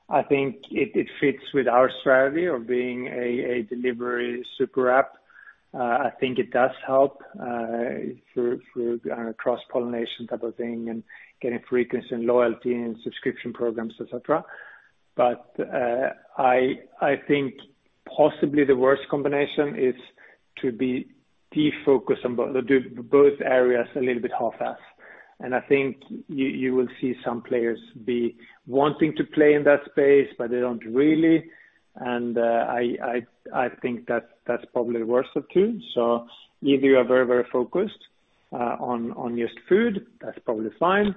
I think it fits with our strategy of being a delivery super app. I think it does help through cross-pollination type of thing and getting frequency and loyalty and subscription programs, et cetera. I think possibly the worst combination is to be defocused on both areas a little bit half-ass. I think you will see some players be wanting to play in that space, but they don't really. I think that's probably the worst of two. Either you are very focused on just food, that's probably fine,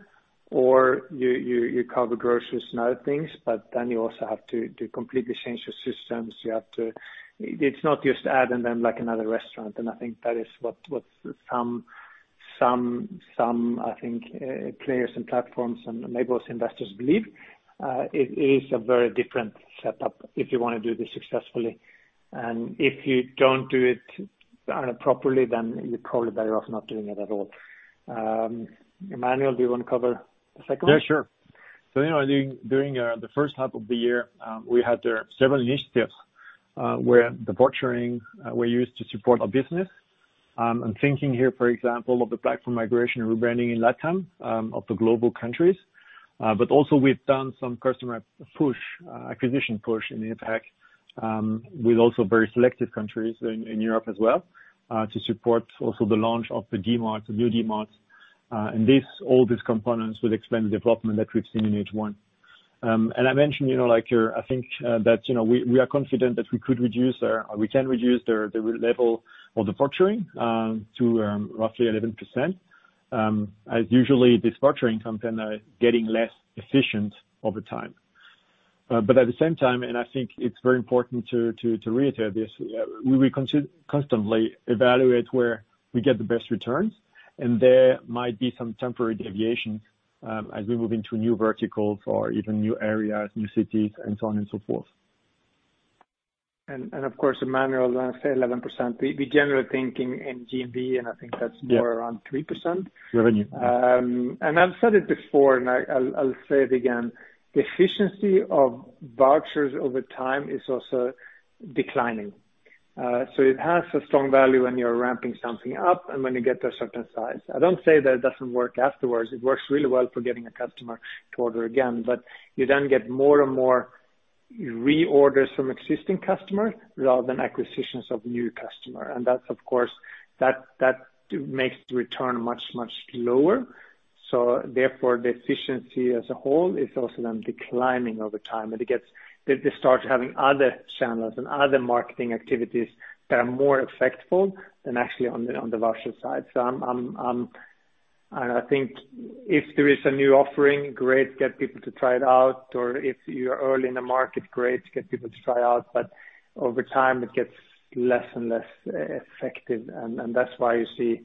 or you cover groceries and other things, but then you also have to completely change your systems. It's not just add and then like another restaurant, and I think that is what some, I think, players and platforms and maybe also investors believe. It is a very different setup if you want to do this successfully. If you don't do it properly, then you're probably better off not doing it at all. Emmanuel, do you want to cover the second one? Yeah, sure. During the first half of the year, we had several initiatives, where the vouchering were used to support our business. I'm thinking here, for example, of the platform migration rebranding in Latin America. Also we've done some customer push, acquisition push in APAC, with also very selective countries in Europe as well, to support also the launch of the Dmart, the new Dmarts. All these components will explain the development that we've seen in H1. I mentioned, I think that we are confident that we can reduce the level of the vouchering, to roughly 11%. As usually this vouchering content are getting less efficient over time. At the same time, and I think it's very important to reiterate this, we constantly evaluate where we get the best returns, and there might be some temporary deviations, as we move into new verticals or even new areas, new cities and so on and so forth. Of course, Emmanuel then say 11%, we generally think in GMV, and I think that's more around 3%. Revenue. I've said it before, and I'll say it again. The efficiency of vouchers over time is also declining. It has a strong value when you're ramping something up and when you get to a certain size. I don't say that it doesn't work afterwards. It works really well for getting a customer to order again, but you then get more and more reorders from existing customers rather than acquisitions of new customer. That makes the return much, much lower. Therefore, the efficiency as a whole is also then declining over time. They start having other channels and other marketing activities that are more effectful than actually on the voucher side. I think if there is a new offering, great, get people to try it out, or if you're early in the market, great, get people to try out, but over time it gets less and less effective. That's why you see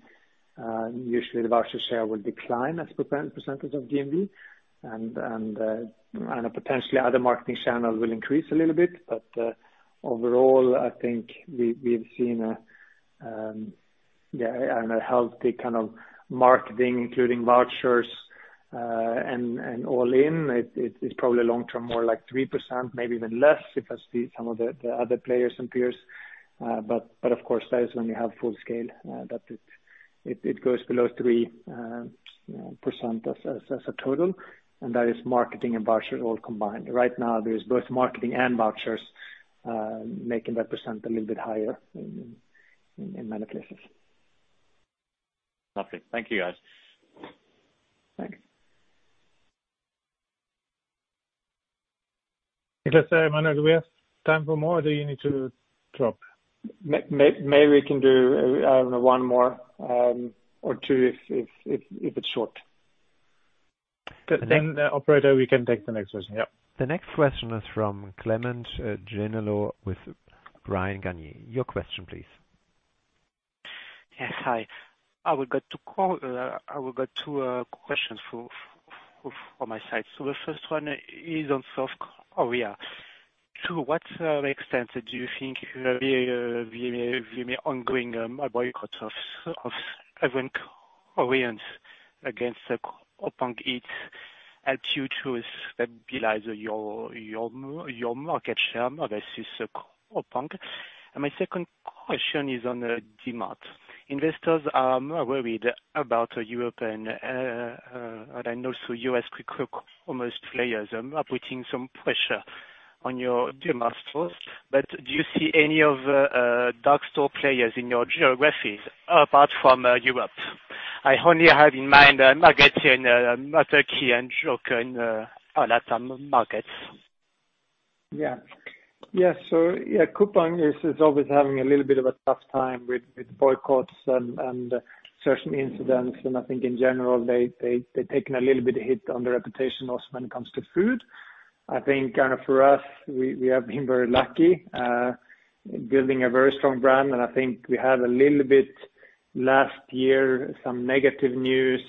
usually the voucher share will decline as % of GMV and potentially other marketing channels will increase a little bit. Overall, I think we've seen a healthy kind of marketing, including vouchers, and all in, it's probably long-term more like 3%, maybe even less if I see some of the other players and peers. Of course, that is when we have full scale, that it goes below 3% as a total, and that is marketing and vouchers all combined. Right now, there is both marketing and vouchers, making that percentage a little bit higher in many places. Perfect. Thank you, guys. Thanks. Niklas, Emmanuel, do we have time for more, or do you need to drop? Maybe we can do 1 more, or two if it's short. Operator, we can take the next question. Yep. The next question is from Clément Genelot with Bryan Garnier. Your question, please. Yes, hi. I would got two questions from my side. The first one is on South Korea. To what extent do you think the ongoing boycott of Koreans against the Coupang Eats helps you to stabilize your market share versus the Coupang? My second question is on Dmart. Investors are worried about European, and also U.S. quick commerce players are putting some pressure on your Dmart stores. Do you see any of the dark store players in your geographies apart from Europe? I only have in mind Marketyo and Mother Key and Jokr, all at some markets. Yeah. Yeah, Coupang is always having a little bit of a tough time with boycotts and certain incidents, and I think in general, they've taken a little bit hit on the reputation also when it comes to food. I think for us, we have been very lucky, building a very strong brand, and I think we had a little bit last year, some negative news,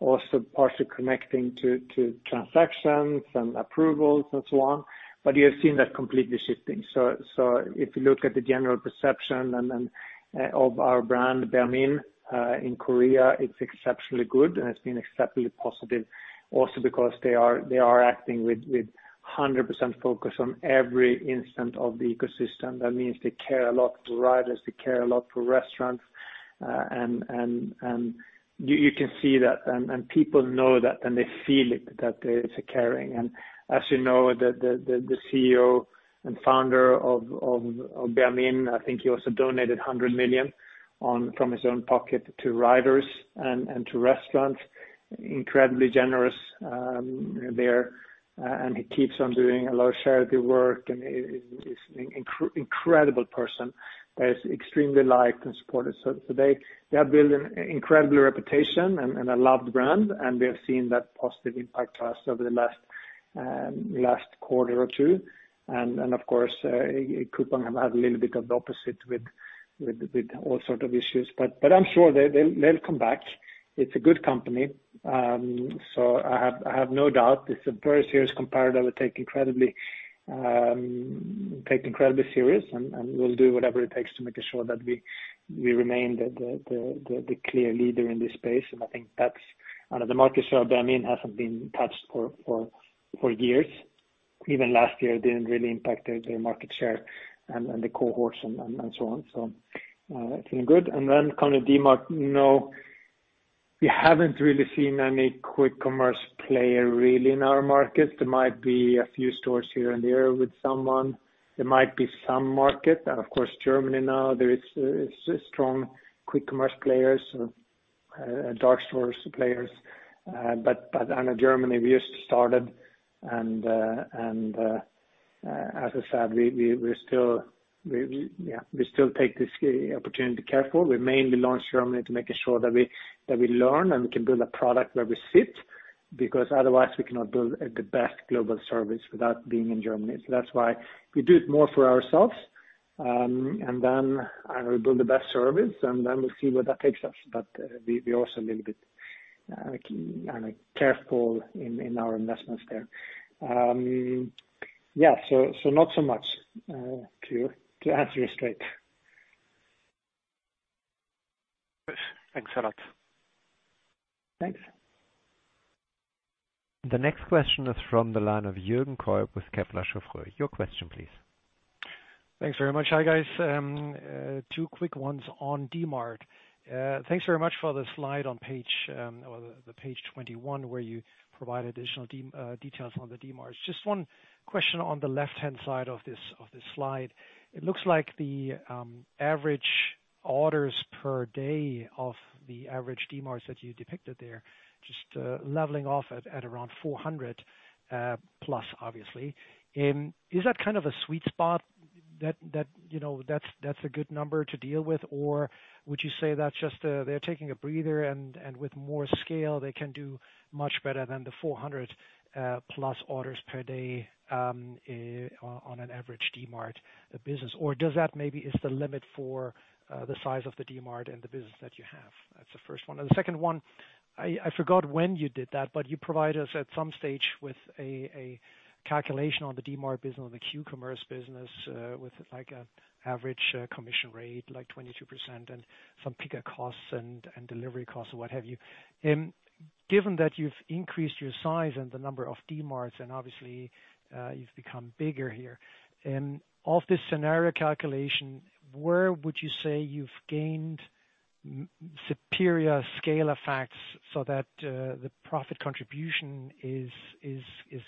also partially connecting to transactions and approvals and so on. You have seen that completely shifting. If you look at the general perception of our brand, Baemin, in Korea, it's exceptionally good, and it's been exceptionally positive also because they are acting with 100% focus on every instance of the ecosystem. That means they care a lot for riders, they care a lot for restaurants. You can see that, and people know that, and they feel it, that there is a caring. As you know, the CEO and founder of Baemin, I think he also donated 100 million from his own pocket to riders and to restaurants. Incredibly generous there. He keeps on doing a lot of charity work and he's an incredible person that is extremely liked and supported. They have built an incredible reputation and a loved brand, and we have seen that positive impact to us over the last quarter or two. Of course, Coupang have had a little bit of the opposite with all sorts of issues. I'm sure they'll come back. It's a good company. I have no doubt it's a very serious competitor we take incredibly serious, and we'll do whatever it takes to making sure that we remain the clear leader in this space. I think that's the market share of Baemin hasn't been touched for years. Even last year, it didn't really impact their market share and the cohorts and so on. It's been good. Coming to Dmart, we haven't really seen any quick commerce player really in our market. There might be a few stores here and there with someone. There might be some market. Of course, Germany now there is strong quick commerce players or dark stores players. Out of Germany, we just started and as I said, we still take this opportunity careful. We mainly launched Germany to making sure that we learn and we can build a product where we sit, because otherwise we cannot build the best global service without being in Germany. That's why we do it more for ourselves. Then we build the best service, and then we'll see where that takes us. We're also a little bit careful in our investments there. Not so much, to answer you straight. Thanks a lot. Thanks. The next question is from the line of Jürgen Kolb with Kepler Cheuvreux. Your question, please. Thanks very much. Hi, guys. Two quick ones on Dmart. Thanks very much for the slide on page 21, where you provide additional details on the Dmarts. Just one question on the left-hand side of this slide. It looks like the average orders per day of the average Dmarts that you depicted there, just leveling off at around 400+, obviously. Is that kind of a sweet spot? That's a good number to deal with? Would you say that's just, they're taking a breather and with more scale, they can do much better than the 400+ orders per day on an average Dmart business? Does that maybe is the limit for the size of the Dmart and the business that you have? That's the first one. The second one, I forgot when you did that, but you provide us at some stage with a calculation on the Dmart business, on the quick commerce business, with an average commission rate, like 22%, and some pickup costs and delivery costs or what have you. Given that you've increased your size and the number of Dmarts and obviously, you've become bigger here. Of this scenario calculation, where would you say you've gained superior scale effects so that the profit contribution is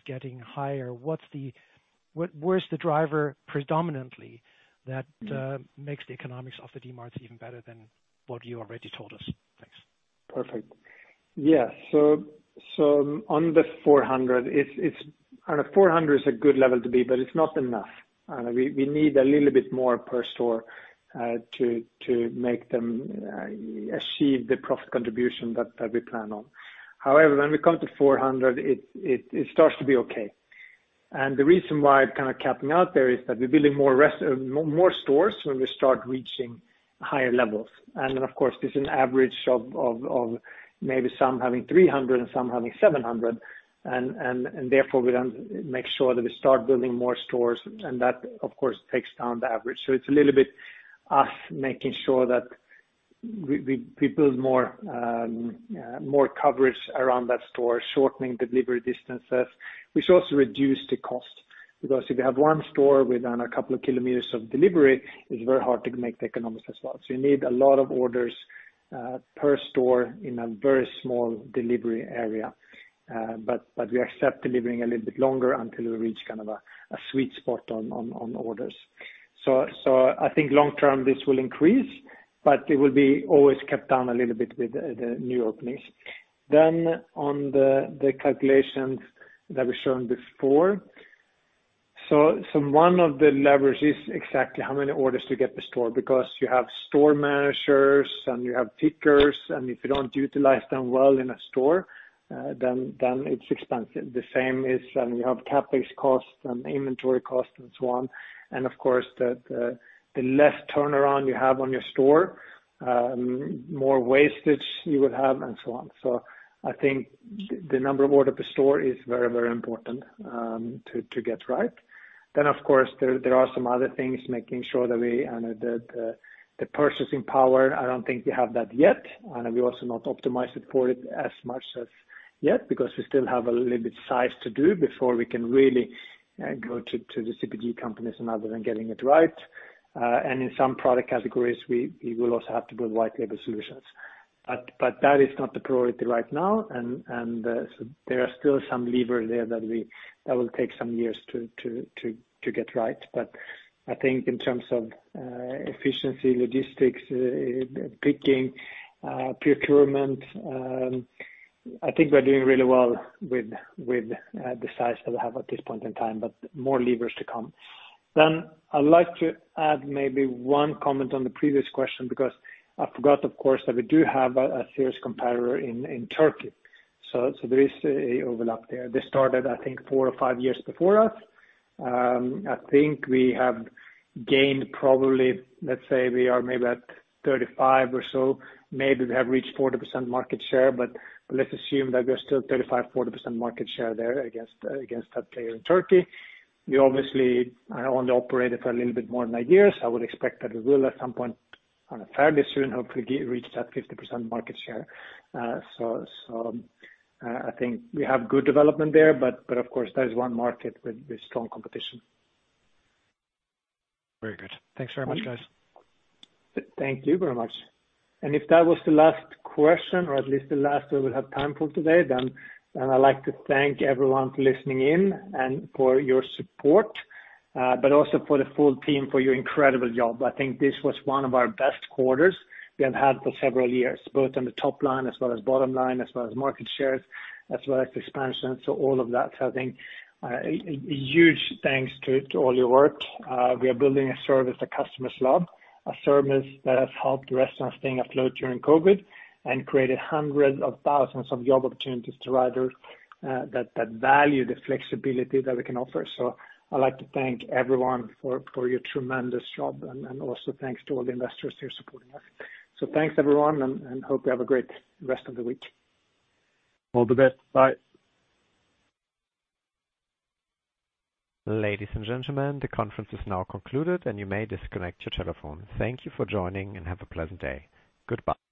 getting higher? Where's the driver predominantly that makes the economics of the Dmarts even better than what you already told us? Thanks. Perfect. Yeah. On the 400 is a good level to be, but it's not enough. We need a little bit more per store to make them achieve the profit contribution that we plan on. However, when we come to 400, it starts to be okay. The reason why it kind of capping out there is that we're building more stores when we start reaching higher levels. Then, of course, there's an average of maybe some having 300 and some having 700. Therefore, we then make sure that we start building more stores and that, of course, takes down the average. It's a little bit us making sure that we build more coverage around that store, shortening delivery distances, which also reduce the cost. If you have one store within a couple of kilometers of delivery, it's very hard to make the economics as well. You need a lot of orders per store in a very small delivery area. We accept delivering a little bit longer until we reach kind of a sweet spot on orders. I think long term this will increase, but it will be always kept down a little bit with the new openings. On the calculations that we've shown before. One of the leverages exactly how many orders to get the store because you have store managers and you have pickers, and if you don't utilize them well in a store, then it's expensive. The same is when you have CapEx costs and inventory costs and so on. Of course, the less turnaround you have on your store, more wastage you would have and so on. I think the number of order per store is very important to get right. Of course, there are some other things, making sure that the purchasing power, I don't think we have that yet, and we also not optimize it for it as much as yet because we still have a little bit size to do before we can really go to the CPG companies and others and getting it right. In some product categories, we will also have to build white label solutions. That is not the priority right now. There are still some levers there that will take some years to get right. I think in terms of efficiency, logistics, picking, procurement, I think we're doing really well with the size that we have at this point in time, but more levers to come. I'd like to add maybe one comment on the previous question because I forgot, of course, that we do have a serious competitor in Turkey. There is a overlap there. They started, I think, four or five years before us. I think we have gained probably, let's say we are maybe at 35 or so. Maybe we have reached 40% market share, but let's assume that we're still 35%-40% market share there against that player in Turkey. We obviously only operated for a little bit more than eight years. I would expect that we will at some point, fairly soon, hopefully reach that 50% market share. I think we have good development there. Of course there is one market with strong competition. Very good. Thanks very much, guys. Thank you very much. If that was the last question or at least the last we will have time for today, I'd like to thank everyone for listening in and for your support. Also for the full team for your incredible job. I think this was one of our best quarters we have had for several years, both on the top line as well as bottom line, as well as market shares, as well as expansion. All of that, I think a huge thanks to all your work. We are building a service that customers love, a service that has helped restaurants stay afloat during COVID and created hundreds of thousands of job opportunities to riders that value the flexibility that we can offer. I'd like to thank everyone for your tremendous job and also thanks to all the investors who are supporting us. Thanks everyone, and hope you have a great rest of the week. All the best. Bye. Ladies and gentlemen, the conference is now concluded and you may disconnect your telephone. Thank you for joining and have a pleasant day. Goodbye.